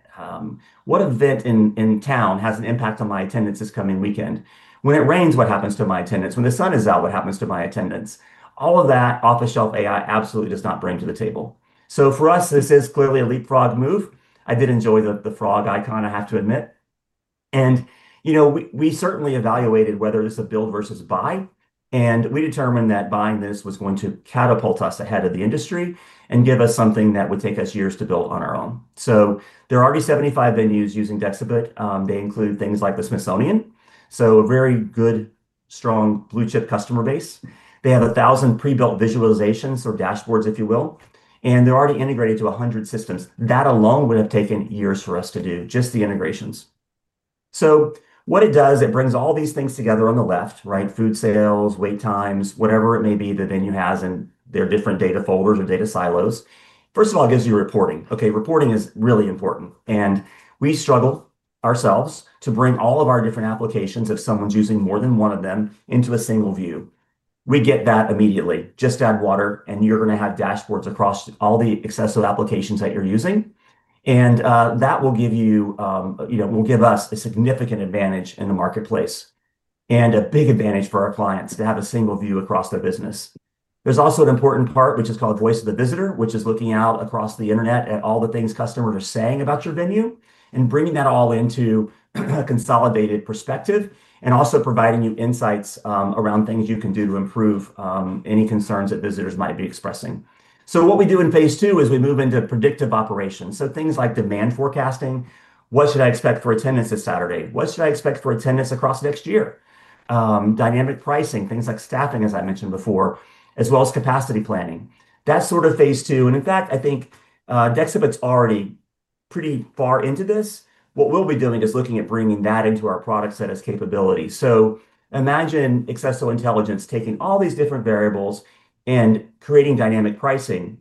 in town has an impact on my attendance this coming weekend? When it rains, what happens to my attendance? When the sun is out, what happens to my attendance? All of that off-the-shelf AI absolutely does not bring to the table. For us, this is clearly a leapfrog move. I did enjoy the frog icon, I have to admit. You know, we certainly evaluated whether this is a build versus buy, and we determined that buying this was going to catapult us ahead of the industry and give us something that would take us years to build on our own. There are already 75 venues using Dexibit. They include things like the Smithsonian, so a very good, strong blue-chip customer base. They have 1,000 pre-built visualizations or dashboards, if you will, and they're already integrated to 100 systems. That alone would have taken years for us to do just the integrations. What it does, it brings all these things together on the left, right? Food sales, wait times, whatever it may be, the venue has in their different data folders or data silos. First of all, it gives you reporting. Reporting is really important, and we struggle ourselves to bring all of our different applications if someone's using more than one of them into a single view. We get that immediately. Just add water, and you're gonna have dashboards across all the accesso applications that you're using. That will give you, you know, give us a significant advantage in the marketplace and a big advantage for our clients to have a single view across their business. There's also an important part which is called Voice of the Visitor, which is looking out across the internet at all the things customers are saying about your venue and bringing that all into a consolidated perspective and also providing you insights around things you can do to improve any concerns that visitors might be expressing. What we do in phase two is we move into predictive operations, so things like demand forecasting. What should I expect for attendance this Saturday? What should I expect for attendance across next year? Dynamic pricing, things like staffing, as I mentioned before, as well as capacity planning. That's sort of phase two. In fact, I think Dexibit's already pretty far into this. What we'll be doing is looking at bringing that into our product set as capability. Imagine accesso Intelligence taking all these different variables and creating dynamic pricing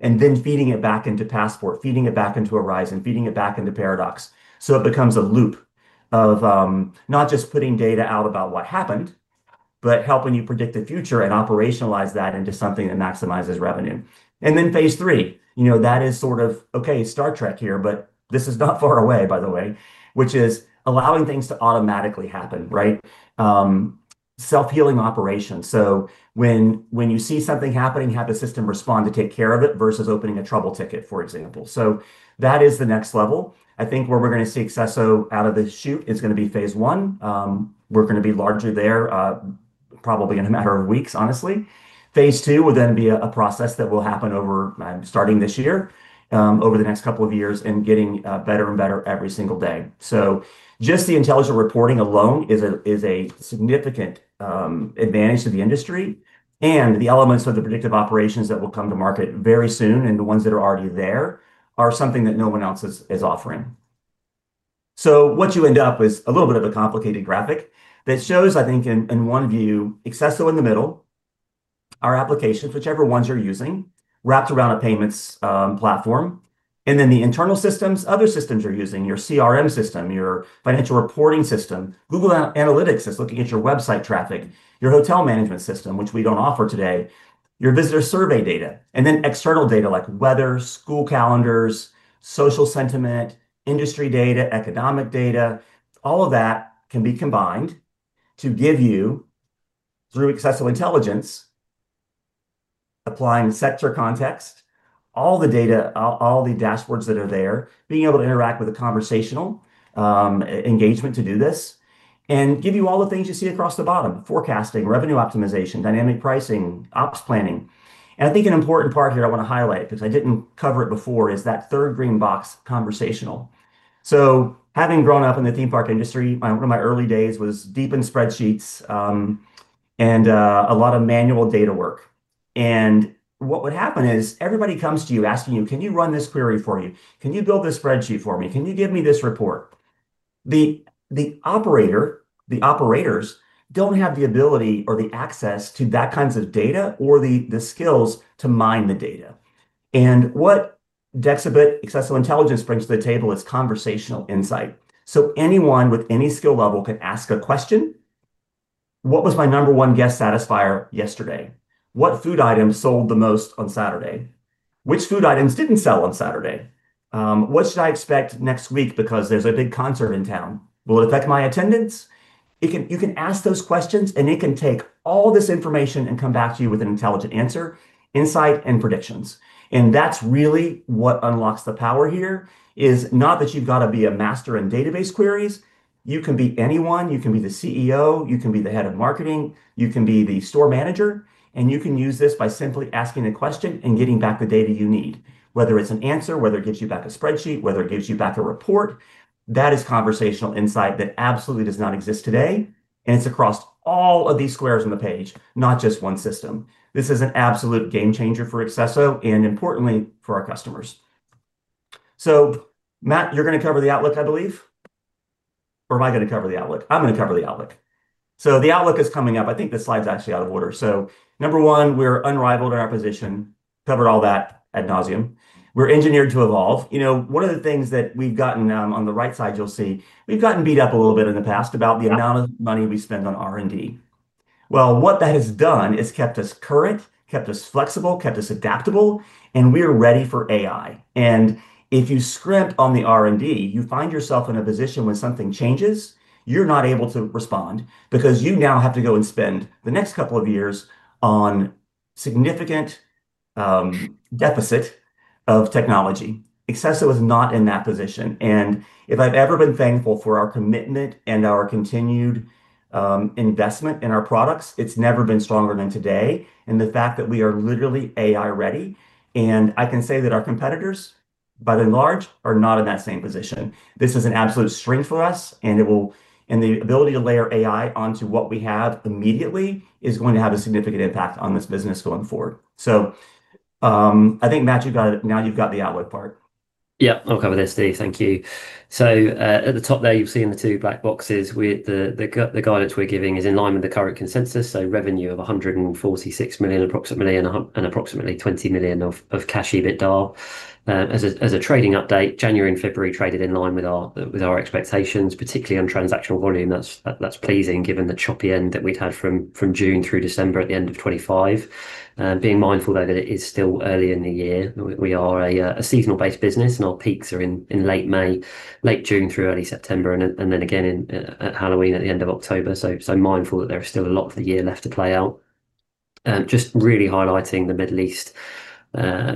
and then feeding it back into Passport, feeding it back into Siriusware, and feeding it back into Paradox so it becomes a loop of not just putting data out about what happened, but helping you predict the future and operationalize that into something that maximizes revenue. Then phase three, you know, that is sort of, okay, Star Trek here, but this is not far away, by the way, which is allowing things to automatically happen, right? Self-healing operations. When you see something happening, have the system respond to take care of it versus opening a trouble ticket, for example. That is the next level. I think where we're gonna see accesso out of the chute is gonna be phase one. We're gonna be largely there, probably in a matter of weeks, honestly. Phase two will then be a process that will happen over starting this year over the next couple of years and getting better and better every single day. Just the intelligent reporting alone is a significant advantage to the industry, and the elements of the predictive operations that will come to market very soon, and the ones that are already there are something that no one else is offering. What you end up with a little bit of a complicated graphic that shows, I think in one view, accesso in the middle, our applications, whichever ones you're using, wrapped around a payments platform, and then the internal systems, other systems you're using, your CRM system, your financial reporting system, Google Analytics that's looking at your website traffic, your hotel management system, which we don't offer today, your visitor survey data, and then external data like weather, school calendars, social sentiment, industry data, economic data, all of that can be combined to give you, through accesso Intelligence, applying sector context, all the data, all the dashboards that are there, being able to interact with a conversational engagement to do this. Give you all the things you see across the bottom, forecasting, revenue optimization, dynamic pricing, ops planning. I think an important part here I wanna highlight, 'cause I didn't cover it before, is that third green box, conversational. Having grown up in the theme park industry, one of my early days was deep in spreadsheets, and a lot of manual data work. What would happen is everybody comes to you asking you, "Can you run this query for you? Can you build this spreadsheet for me? Can you give me this report?" The operators don't have the ability or the access to that kinds of data or the skills to mine the data. What Dexibit accesso Intelligence brings to the table is conversational insight. Anyone with any skill level can ask a question, "What was my number one guest satisfier yesterday? What food items sold the most on Saturday? Which food items didn't sell on Saturday? What should I expect next week because there's a big concert in town? Will it affect my attendance? You can ask those questions, and it can take all this information and come back to you with an intelligent answer, insight, and predictions. That's really what unlocks the power here, is not that you've gotta be a master in database queries. You can be anyone. You can be the CEO, you can be the Head of Marketing, you can be the Store Manager, and you can use this by simply asking a question and getting back the data you need. Whether it's an answer, whether it gives you back a spreadsheet, whether it gives you back a report, that is conversational insight that absolutely does not exist today, and it's across all of these squares on the page, not just one system. This is an absolute game changer for accesso and importantly for our customers. Matt, you're gonna cover the outlook, I believe, or am I gonna cover the outlook? I'm gonna cover the outlook. The outlook is coming up. I think this slide's actually out of order. Number one, we're unrivaled in our position. Covered all that ad nauseam. We're engineered to evolve. You know, one of the things that we've gotten, on the right side you'll see, we've gotten beat up a little bit in the past about the amount of money we spend on R&D. Well, what that has done is kept us current, kept us flexible, kept us adaptable, and we are ready for AI. If you scrimp on the R&D, you find yourself in a position when something changes, you're not able to respond because you now have to go and spend the next couple of years on significant deficit of technology. Accesso is not in that position. If I've ever been thankful for our commitment and our continued investment in our products, it's never been stronger than today. The fact that we are literally AI-ready, and I can say that our competitors, by and large, are not in that same position. This is an absolute strength for us, and the ability to layer AI onto what we have immediately is going to have a significant impact on this business going forward. I think, Matt, you've got it now. You've got the outlook part. Yeah. I'll cover this, Steve. Thank you. At the top there you've seen the two black boxes with the guidance we're giving is in line with the current consensus. Revenue of approximately $146 million, and approximately $20 million of Cash EBITDA. As a trading update, January and February traded in line with our expectations, particularly on transactional volume. That's pleasing given the choppy end that we'd had from June through December at the end of 2025. Being mindful though that it is still early in the year. We are a seasonal-based business, and our peaks are in late May, late June through early September, and then again in at Halloween at the end of October. Mindful that there is still a lot of the year left to play out. Just really highlighting the Middle East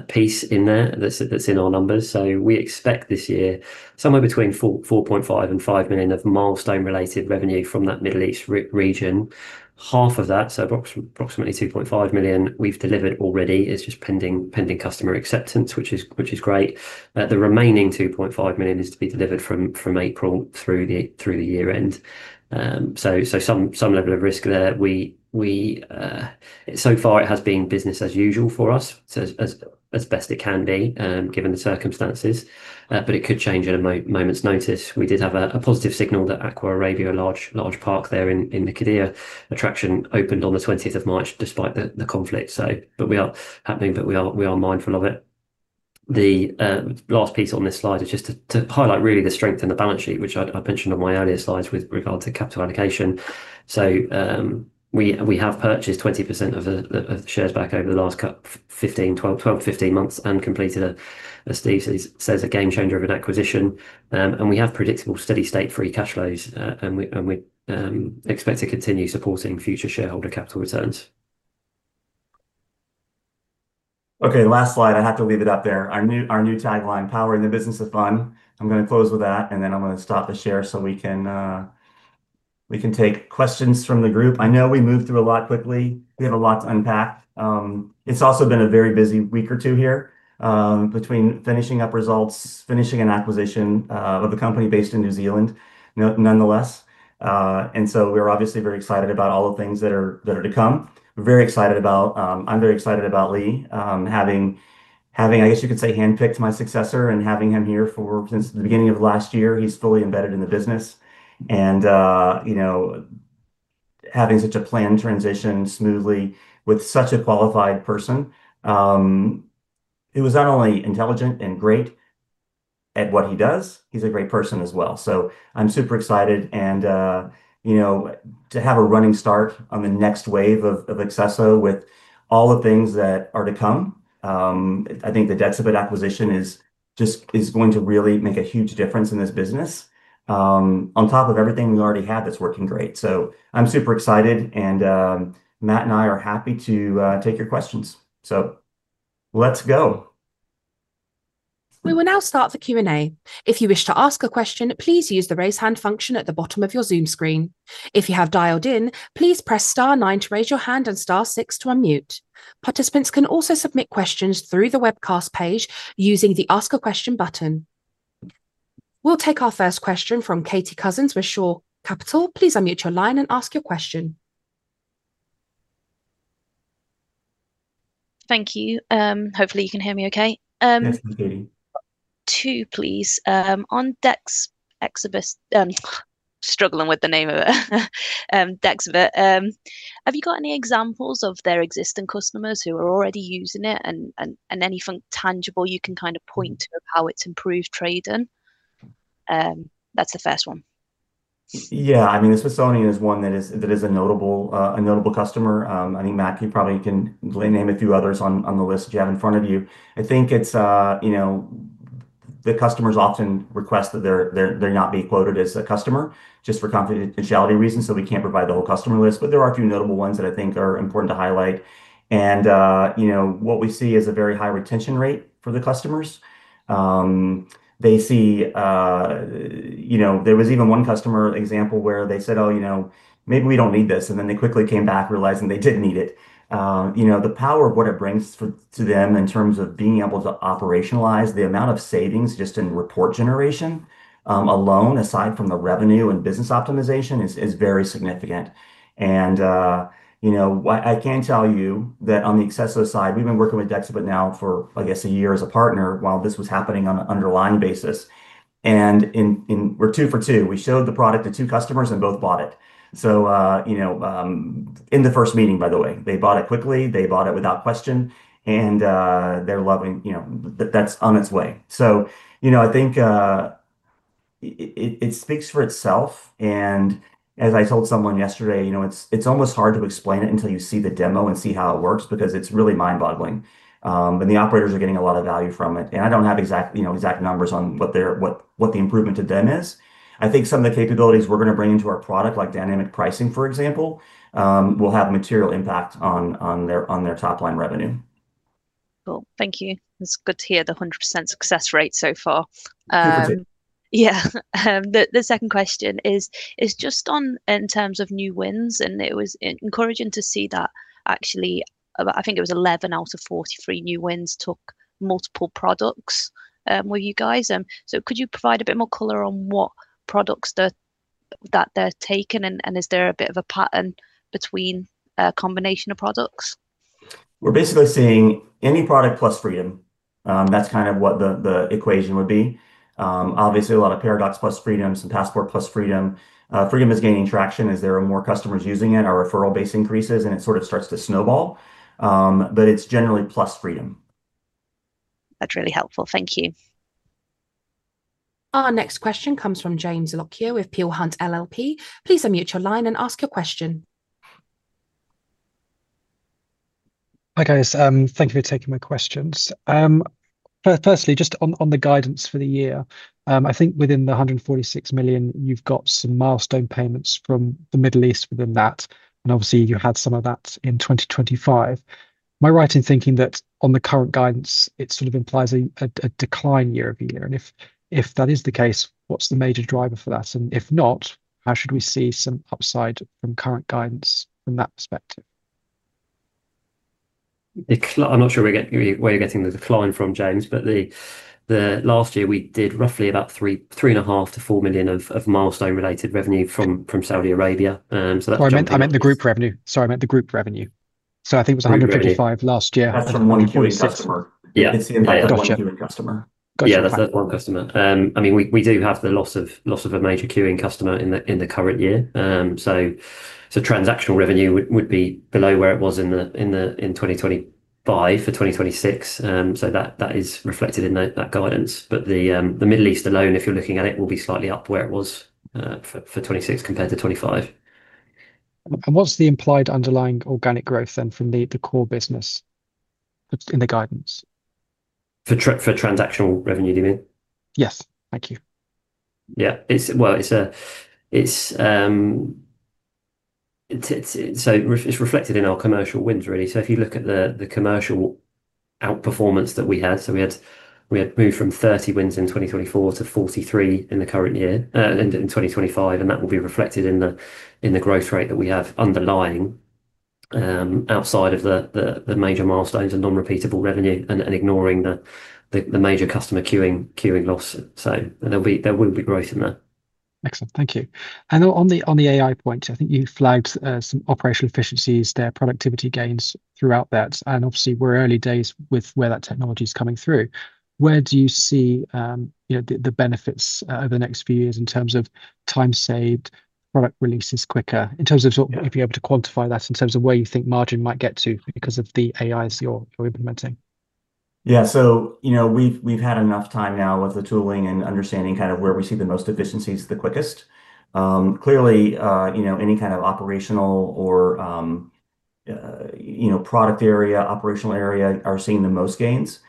piece in there that's in our numbers. We expect this year somewhere between $4.5 million-$5 million of milestone-related revenue from that Middle East region. Half of that, approximately $2.5 million we've delivered already. It's just pending customer acceptance, which is great. The remaining $2.5 million is to be delivered from April through the year end. Some level of risk there. So far it has been business as usual for us as best it can be, given the circumstances. But it could change at a moment's notice. We did have a positive signal that Aquarabia, a large park there in the Qiddiya attraction opened on the 20th of March despite the conflict. But we are hoping, but we are mindful of it. The last piece on this slide is just to highlight really the strength in the balance sheet, which I mentioned on my earlier slides with regard to capital allocation. We have purchased 20% of the shares back over the last 12 to 15 months and completed, as Steve says, a game changer of an acquisition. And we have predictable steady state free cash flows. And we expect to continue supporting future shareholder capital returns. Okay. Last slide. I have to leave it up there. Our new tagline, "Powering the Business of Fun." I'm gonna close with that, and then I'm gonna stop the share so we can take questions from the group. I know we moved through a lot quickly. We have a lot to unpack. It's also been a very busy week or two here, between finishing up results, finishing an acquisition, of a company based in New Zealand nonetheless. We're obviously very excited about all the things that are to come. Very excited about Lee having I guess you could say handpicked my successor and having him here since the beginning of last year. He's fully embedded in the business and, you know, having such a planned transition smoothly with such a qualified person, who is not only intelligent and great at what he does, he's a great person as well. I'm super excited and, you know, to have a running start on the next wave of accesso with all the things that are to come, I think the Dexibit acquisition is just going to really make a huge difference in this business, on top of everything we already have that's working great. I'm super excited and, Matt and I are happy to take your questions. Let's go We will now start the Q&A. If you wish to ask a question, please use the raise hand function at the bottom of your Zoom screen. If you have dialed in, please press star nine to raise your hand and star six to unmute. Participants can also submit questions through the webcast page using the Ask a Question button. We'll take our first question from Katie Cousins with Shore Capital. Please unmute your line and ask your question. Thank you. Hopefully you can hear me okay. Definitely. Two please. On Dexibit, have you got any examples of their existing customers who are already using it, and anything tangible you can kind of point to of how it's improved trading? That's the first one. Yeah, I mean the Smithsonian is one that is a notable customer. I think Matt, you probably can name a few others on the list you have in front of you. I think it's you know, the customers often request that they're not being quoted as a customer just for confidentiality reasons, so we can't provide the whole customer list, but there are a few notable ones that I think are important to highlight. You know, what we see is a very high retention rate for the customers. They see. You know, there was even one customer example where they said, "Oh, you know, maybe we don't need this," and then they quickly came back realizing they did need it. You know, the power of what it brings for to them in terms of being able to operationalize the amount of savings just in report generation alone, aside from the revenue and business optimization is very significant. You know, what I can tell you that on the accesso side, we've been working with Dexibit now for, I guess, a year as a partner while this was happening on an underlying basis. We're two for two. We showed the product to two customers and both bought it. You know, in the first meeting by the way. They bought it quickly. They bought it without question. They're loving, you know. That's on its way. You know, I think it speaks for itself and as I told someone yesterday, you know, it's almost hard to explain it until you see the demo and see how it works because it's really mind-boggling. The operators are getting a lot of value from it, and I don't have exact numbers on what the improvement to them is. I think some of the capabilities we're gonna bring into our product, like dynamic pricing for example, will have material impact on their top line revenue. Cool. Thank you. It's good to hear the 100% success rate so far. Two for two. Yeah. The second question is just on, in terms of new wins, and it was encouraging to see that actually about, I think it was 11 out of 43 new wins took multiple products with you guys. Could you provide a bit more color on what products that they're taking and is there a bit of a pattern between a combination of products? We're basically seeing any product plus Freedom. That's kind of what the equation would be. Obviously a lot of Paradox plus Freedom, some Passport plus Freedom. Freedom is gaining traction as there are more customers using it. Our referral base increases and it sort of starts to snowball. It's generally plus Freedom. That's really helpful. Thank you. Our next question comes from James Lockyer with Peel Hunt LLP. Please unmute your line and ask your question. Hi, guys. Thank you for taking my questions. Firstly, just on the guidance for the year. I think within the $146 million, you've got some milestone payments from the Middle East within that, and obviously you had some of that in 2025. Am I right in thinking that on the current guidance, it sort of implies a decline year-over-year? And if that is the case, what's the major driver for that? And if not, how should we see some upside from current guidance from that perspective? I'm not sure where you're getting the decline from James, but the last year we did roughly about $3.5 million-$4 million of milestone related revenue from Saudi Arabia. I meant the group revenue. Sorry. I meant the group revenue. Group revenue. I think it was 155 last year. That's from one queuing customer. Yeah. It's the impact of that one queuing customer. Gotcha. Yeah, that's that one customer. I mean, we do have the loss of a major queuing customer in the current year. Transactional revenue would be below where it was in the 2025 for 2026. That is reflected in the guidance. The Middle East alone, if you're looking at it, will be slightly up where it was for 2026 compared to 2025. What's the implied underlying organic growth then from the core business that's in the guidance? For transactional revenue you mean? Yes. Thank you. It's reflected in our commercial wins really. If you look at the commercial outperformance that we had, we had moved from 30 wins in 2024 to 43 in the current year, end of 2025, and that will be reflected in the growth rate that we have underlying, outside of the major milestones and non-repeatable revenue and ignoring the major customer queuing loss. There'll be growth in that. Excellent. Thank you. On the AI point, I think you flagged some operational efficiencies there, productivity gains throughout that, and obviously we're early days with where that technology's coming through. Where do you see the benefits over the next few years in terms of time saved, product releases quicker? In terms of sort of if you're able to quantify that in terms of where you think margin might get to because of the AIs you're implementing. Yeah. You know, we've had enough time now with the tooling and understanding kind of where we see the most efficiencies the quickest. Clearly, you know, any kind of operational or product area are seeing the most gains.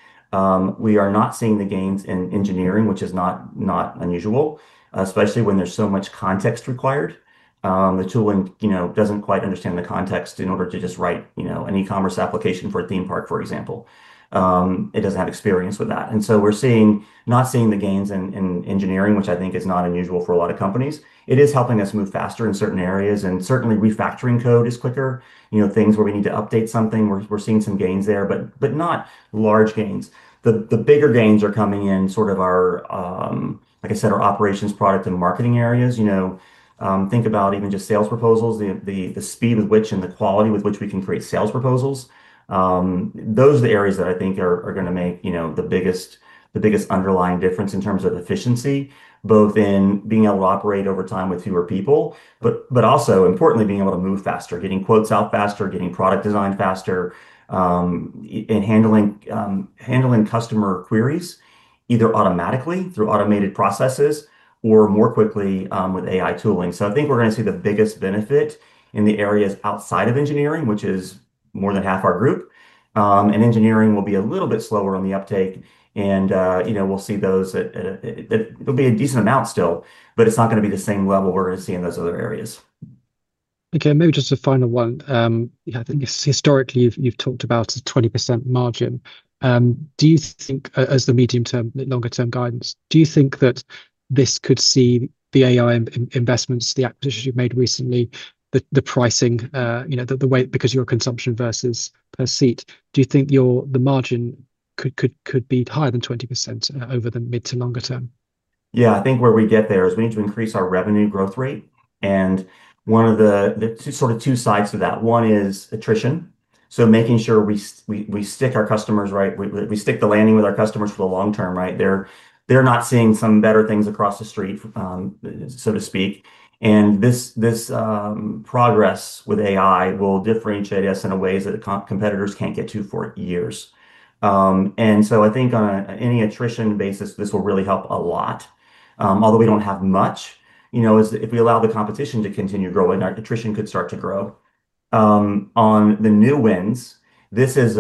We are not seeing the gains in engineering, which is not unusual, especially when there's so much context required. The tooling, you know, doesn't quite understand the context in order to just write, you know, an e-commerce application for a theme park, for example. It doesn't have experience with that. We're not seeing the gains in engineering, which I think is not unusual for a lot of companies. It is helping us move faster in certain areas, and certainly refactoring code is quicker. You know, things where we need to update something, we're seeing some gains there, but not large gains. The bigger gains are coming in sort of our, like I said, our operations product and marketing areas. You know, think about even just sales proposals, the speed with which and the quality with which we can create sales proposals. Those are the areas that I think are gonna make, you know, the biggest underlying difference in terms of efficiency, both in being able to operate over time with fewer people, but also importantly, being able to move faster. Getting quotes out faster, getting product design faster, in handling customer queries, either automatically through automated processes or more quickly with AI tooling. I think we're gonna see the biggest benefit in the areas outside of engineering, which is more than half our group. Engineering will be a little bit slower on the uptake and you know we'll see those. It will be a decent amount still, but it's not gonna be the same level we're seeing in those other areas. Okay. Maybe just a final one. Yeah, I think historically you've talked about a 20% margin. Do you think as the medium term, longer term guidance, do you think that this could see the AI investments, the acquisitions you've made recently, the pricing, you know, the way because your consumption versus per seat, do you think the margin could be higher than 20% over the mid to longer term? Yeah. I think where we get there is we need to increase our revenue growth rate, and one of them. There's sort of two sides to that. One is attrition. Making sure we stick our customers, right? We stick the landing with our customers for the long term, right? They're not seeing some better things across the street, so to speak. This progress with AI will differentiate us in a way that competitors can't get to for years. I think on an attrition basis, this will really help a lot. Although we don't have much, you know, as if we allow the competition to continue growing, our attrition could start to grow. On the new wins, this is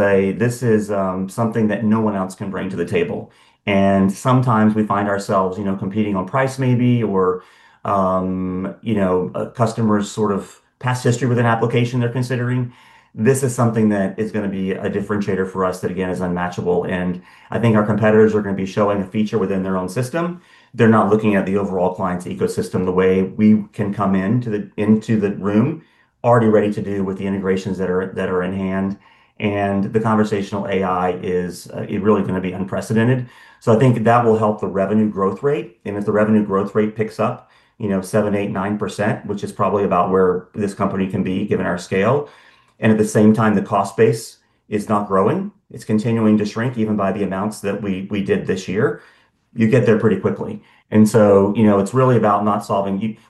something that no one else can bring to the table. Sometimes we find ourselves, you know, competing on price maybe, or, you know, a customer's sort of past history with an application they're considering. This is something that is gonna be a differentiator for us that again, is unmatchable. I think our competitors are gonna be showing a feature within their own system. They're not looking at the overall client's ecosystem the way we can come into the room already ready to do with the integrations that are in hand. The conversational AI is really gonna be unprecedented. I think that will help the revenue growth rate. If the revenue growth rate picks up, you know, 7%, 8%, 9%, which is probably about where this company can be given our scale. At the same time, the cost base is not growing. It's continuing to shrink even by the amounts that we did this year. You get there pretty quickly. You know, it's really about.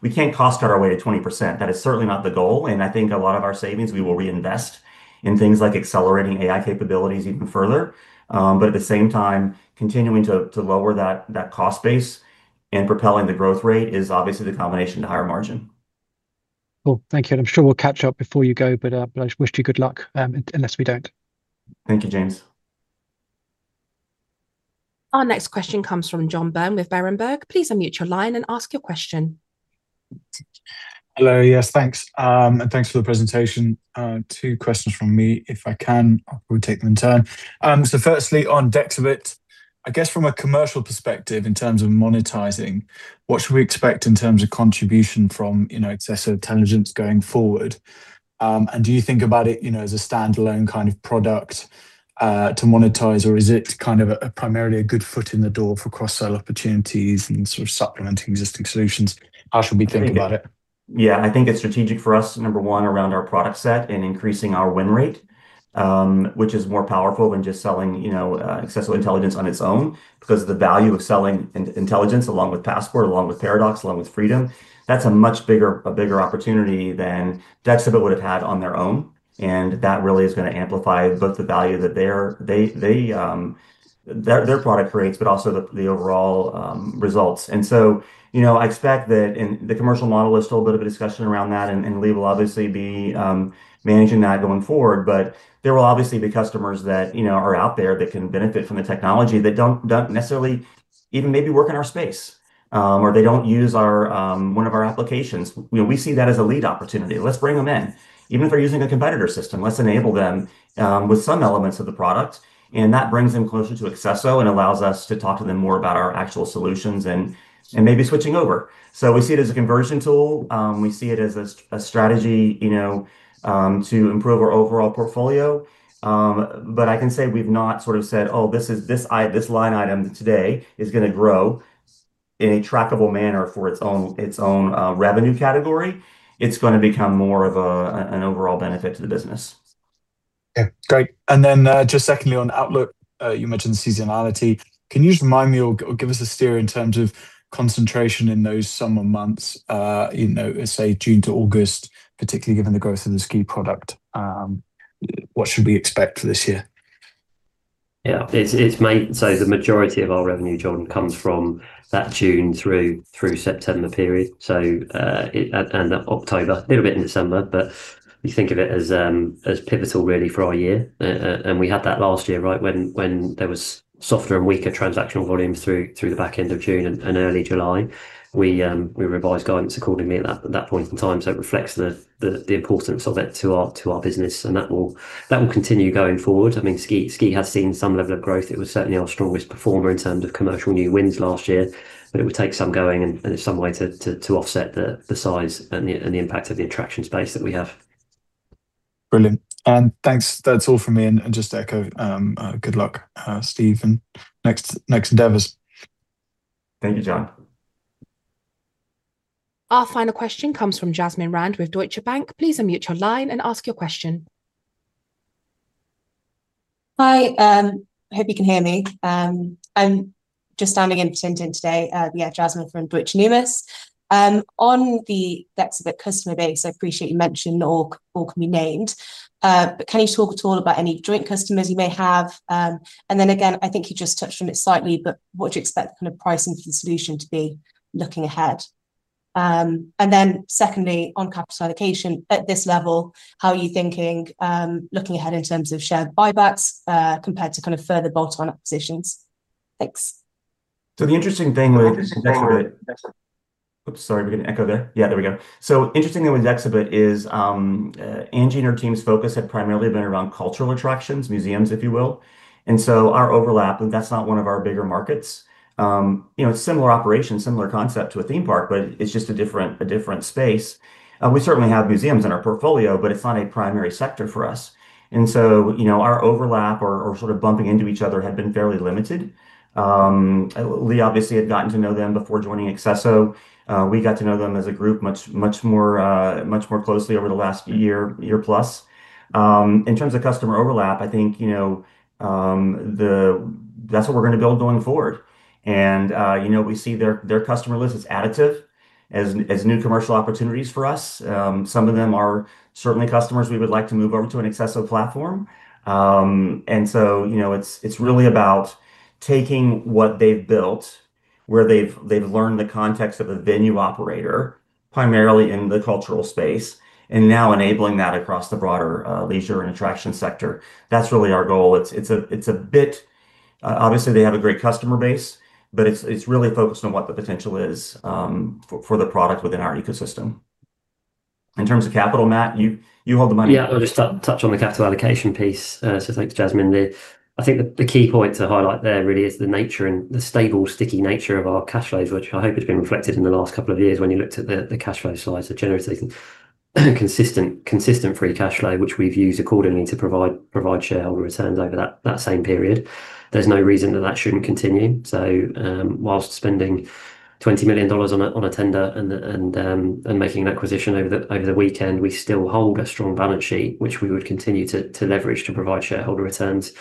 We can't cost our way to 20%. That is certainly not the goal. I think a lot of our savings, we will reinvest in things like accelerating AI capabilities even further. At the same time, continuing to lower that cost base and propelling the growth rate is obviously the combination to higher margin. Cool. Thank you. I'm sure we'll catch up before you go, but I wish you good luck, unless we don't. Thank you, James. Our next question comes from Jon Byrne with Berenberg. Please unmute your line and ask your question. Hello. Yes, thanks. Thanks for the presentation. Two questions from me, if I can. I will take them in turn. Firstly on Dexibit, I guess from a commercial perspective in terms of monetizing, what should we expect in terms of contribution from, you know, accesso Intelligence going forward? Do you think about it, you know, as a standalone kind of product to monetize, or is it kind of primarily a good foot in the door for cross-sell opportunities and sort of supplementing existing solutions? How should we think about it? Yeah, I think it's strategic for us, number one, around our product set and increasing our win rate, which is more powerful than just selling, you know, accesso Intelligence on its own because of the value of selling accesso Intelligence along with Passport, along with Paradox, along with Freedom. That's a much bigger opportunity than Dexibit would have had on their own, and that really is gonna amplify both the value that their product creates, but also the overall results. I expect that in the commercial model, there's still a bit of a discussion around that, and Lee will obviously be managing that going forward. There will obviously be customers that, you know, are out there that can benefit from the technology that don't necessarily even maybe work in our space, or they don't use our one of our applications. You know, we see that as a lead opportunity. Let's bring them in. Even if they're using a competitor system, let's enable them with some elements of the product, and that brings them closer to accesso and allows us to talk to them more about our actual solutions and maybe switching over. We see it as a conversion tool. We see it as a strategy, you know, to improve our overall portfolio. I can say we've not sort of said, oh, this line item today is gonna grow in a trackable manner for its own revenue category. It's gonna become more of an overall benefit to the business. Great. Then, just secondly on outlook, you mentioned seasonality. Can you just remind me or give us a steer in terms of concentration in those summer months, you know, say June to August, particularly given the growth of the ski product? What should we expect for this year? The majority of our revenue, Jon, comes from that June through September period and October, little bit in December. We think of it as pivotal really for our year. We had that last year, right, when there was softer and weaker transactional volumes through the back end of June and early July. We revised guidance accordingly at that point in time, so it reflects the importance of it to our business. That will continue going forward. I mean, ski has seen some level of growth. It was certainly our strongest performer in terms of commercial new wins last year, but it would take some going and some way to offset the size and the impact of the attraction space that we have. Brilliant. Thanks. That's all from me. Just to echo, good luck, Steve, in next endeavors. Thank you, Jon. Our final question comes from Jasmine Rand with Deutsche Bank. Please unmute your line and ask your question. Hi, hope you can hear me. I'm just standing in for Tintin today. Yeah, Jasmine from Deutsche Numis. In the deck on the customer base, I appreciate you mentioning not all can be named. Can you talk at all about any joint customers you may have? Then again, I think you just touched on it slightly, but what do you expect kind of pricing for the solution to be looking ahead? Secondly, on capital allocation at this level, how are you thinking, looking ahead in terms of share buybacks compared to kind of further bolt-on acquisitions? Thanks. The interesting thing with Dexibit is, Angie and her team's focus had primarily been around cultural attractions, museums, if you will. Our overlap, that's not one of our bigger markets. You know, similar operations, similar concept to a theme park, but it's just a different space. We certainly have museums in our portfolio, but it's not a primary sector for us. You know, our overlap or sort of bumping into each other had been fairly limited. Lee obviously had gotten to know them before joining accesso. We got to know them as a group much more closely over the last year-plus. In terms of customer overlap, I think, you know, that's what we're gonna build going forward. You know, we see their customer list as additive as new commercial opportunities for us. Some of them are certainly customers we would like to move over to an accesso platform. You know, it's really about taking what they've built, where they've learned the context of a venue operator, primarily in the cultural space, and now enabling that across the broader leisure and attraction sector. That's really our goal. It's a bit. Obviously they have a great customer base, but it's really focused on what the potential is for the product within our ecosystem. In terms of capital, Matt, you hold the money. Yeah, I'll just touch on the capital allocation piece. So thanks, Jasmine. I think the key point to highlight there really is the nature and the stable, sticky nature of our cash flows, which I hope has been reflected in the last couple of years when you looked at the cash flow slides that generates a consistent free cash flow, which we've used accordingly to provide shareholder returns over that same period. There's no reason that shouldn't continue. While spending $20 million on a tender and making an acquisition over the weekend, we still hold a strong balance sheet, which we would continue to leverage to provide shareholder returns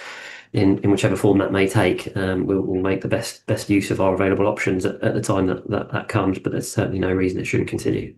in whichever form that may take. We'll make the best use of our available options at the time that comes, but there's certainly no reason it shouldn't continue.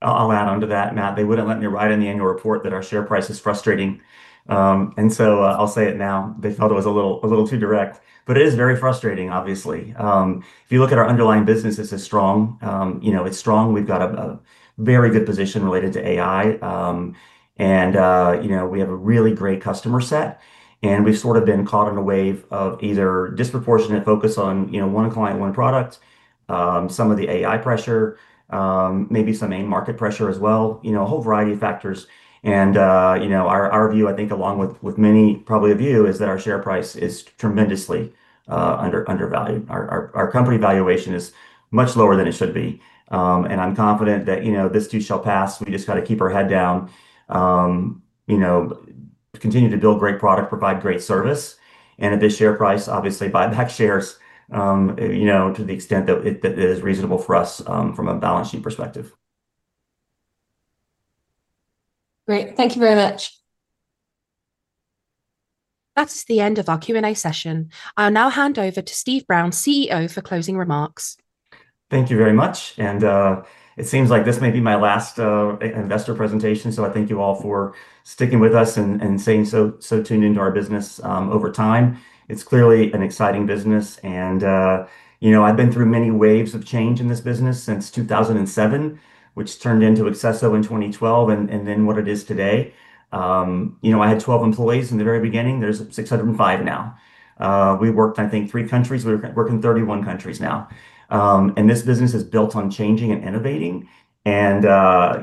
I'll add onto that, Matt. They wouldn't let me write in the annual report that our share price is frustrating. And so I'll say it now. They felt it was a little too direct, but it is very frustrating, obviously. If you look at our underlying business, this is strong. You know, it's strong. We've got a very good position related to AI. And you know, we have a really great customer set, and we've sort of been caught in a wave of either disproportionate focus on, you know, one client, one product, some of the AI pressure, maybe some market pressure as well, you know, a whole variety of factors. And you know, our view, I think along with many probably of you, is that our share price is tremendously undervalued. Our company valuation is much lower than it should be. I'm confident that, you know, this too shall pass. We just got to keep our head down, you know, continue to build great product, provide great service, and at this share price, obviously buy back shares, you know, to the extent that that is reasonable for us, from a balance sheet perspective. Great. Thank you very much. That's the end of our Q&A session. I'll now hand over to Steve Brown, CEO, for closing remarks. Thank you very much. It seems like this may be my last investor presentation, so I thank you all for sticking with us and staying so tuned into our business over time. It's clearly an exciting business and you know, I've been through many waves of change in this business since 2007, which turned into accesso in 2012 and then what it is today. You know, I had 12 employees in the very beginning. There's 605 now. We worked, I think, three countries. We work in 31 countries now. This business is built on changing and innovating and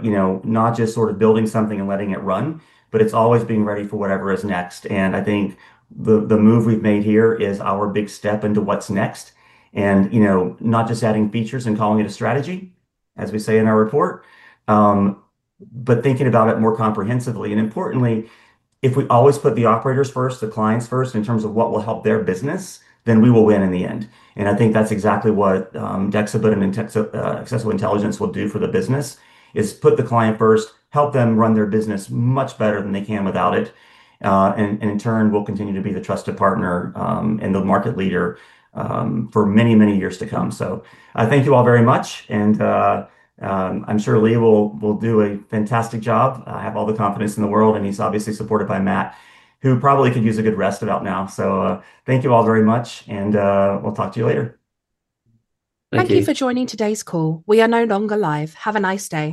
you know, not just sort of building something and letting it run, but it's always being ready for whatever is next. I think the move we've made here is our big step into what's next. You know, not just adding features and calling it a strategy, as we say in our report, but thinking about it more comprehensively. Importantly, if we always put the operators first, the clients first, in terms of what will help their business, then we will win in the end. I think that's exactly what Dexibit and accesso Intelligence will do for the business, is put the client first, help them run their business much better than they can without it. In turn, we'll continue to be the trusted partner, and the market leader, for many, many years to come. I thank you all very much, and I'm sure Lee will do a fantastic job. I have all the confidence in the world, and he's obviously supported by Matt, who probably could use a good rest about now. Thank you all very much, and we'll talk to you later. Thank you. Thank you for joining today's call. We are no longer live. Have a nice day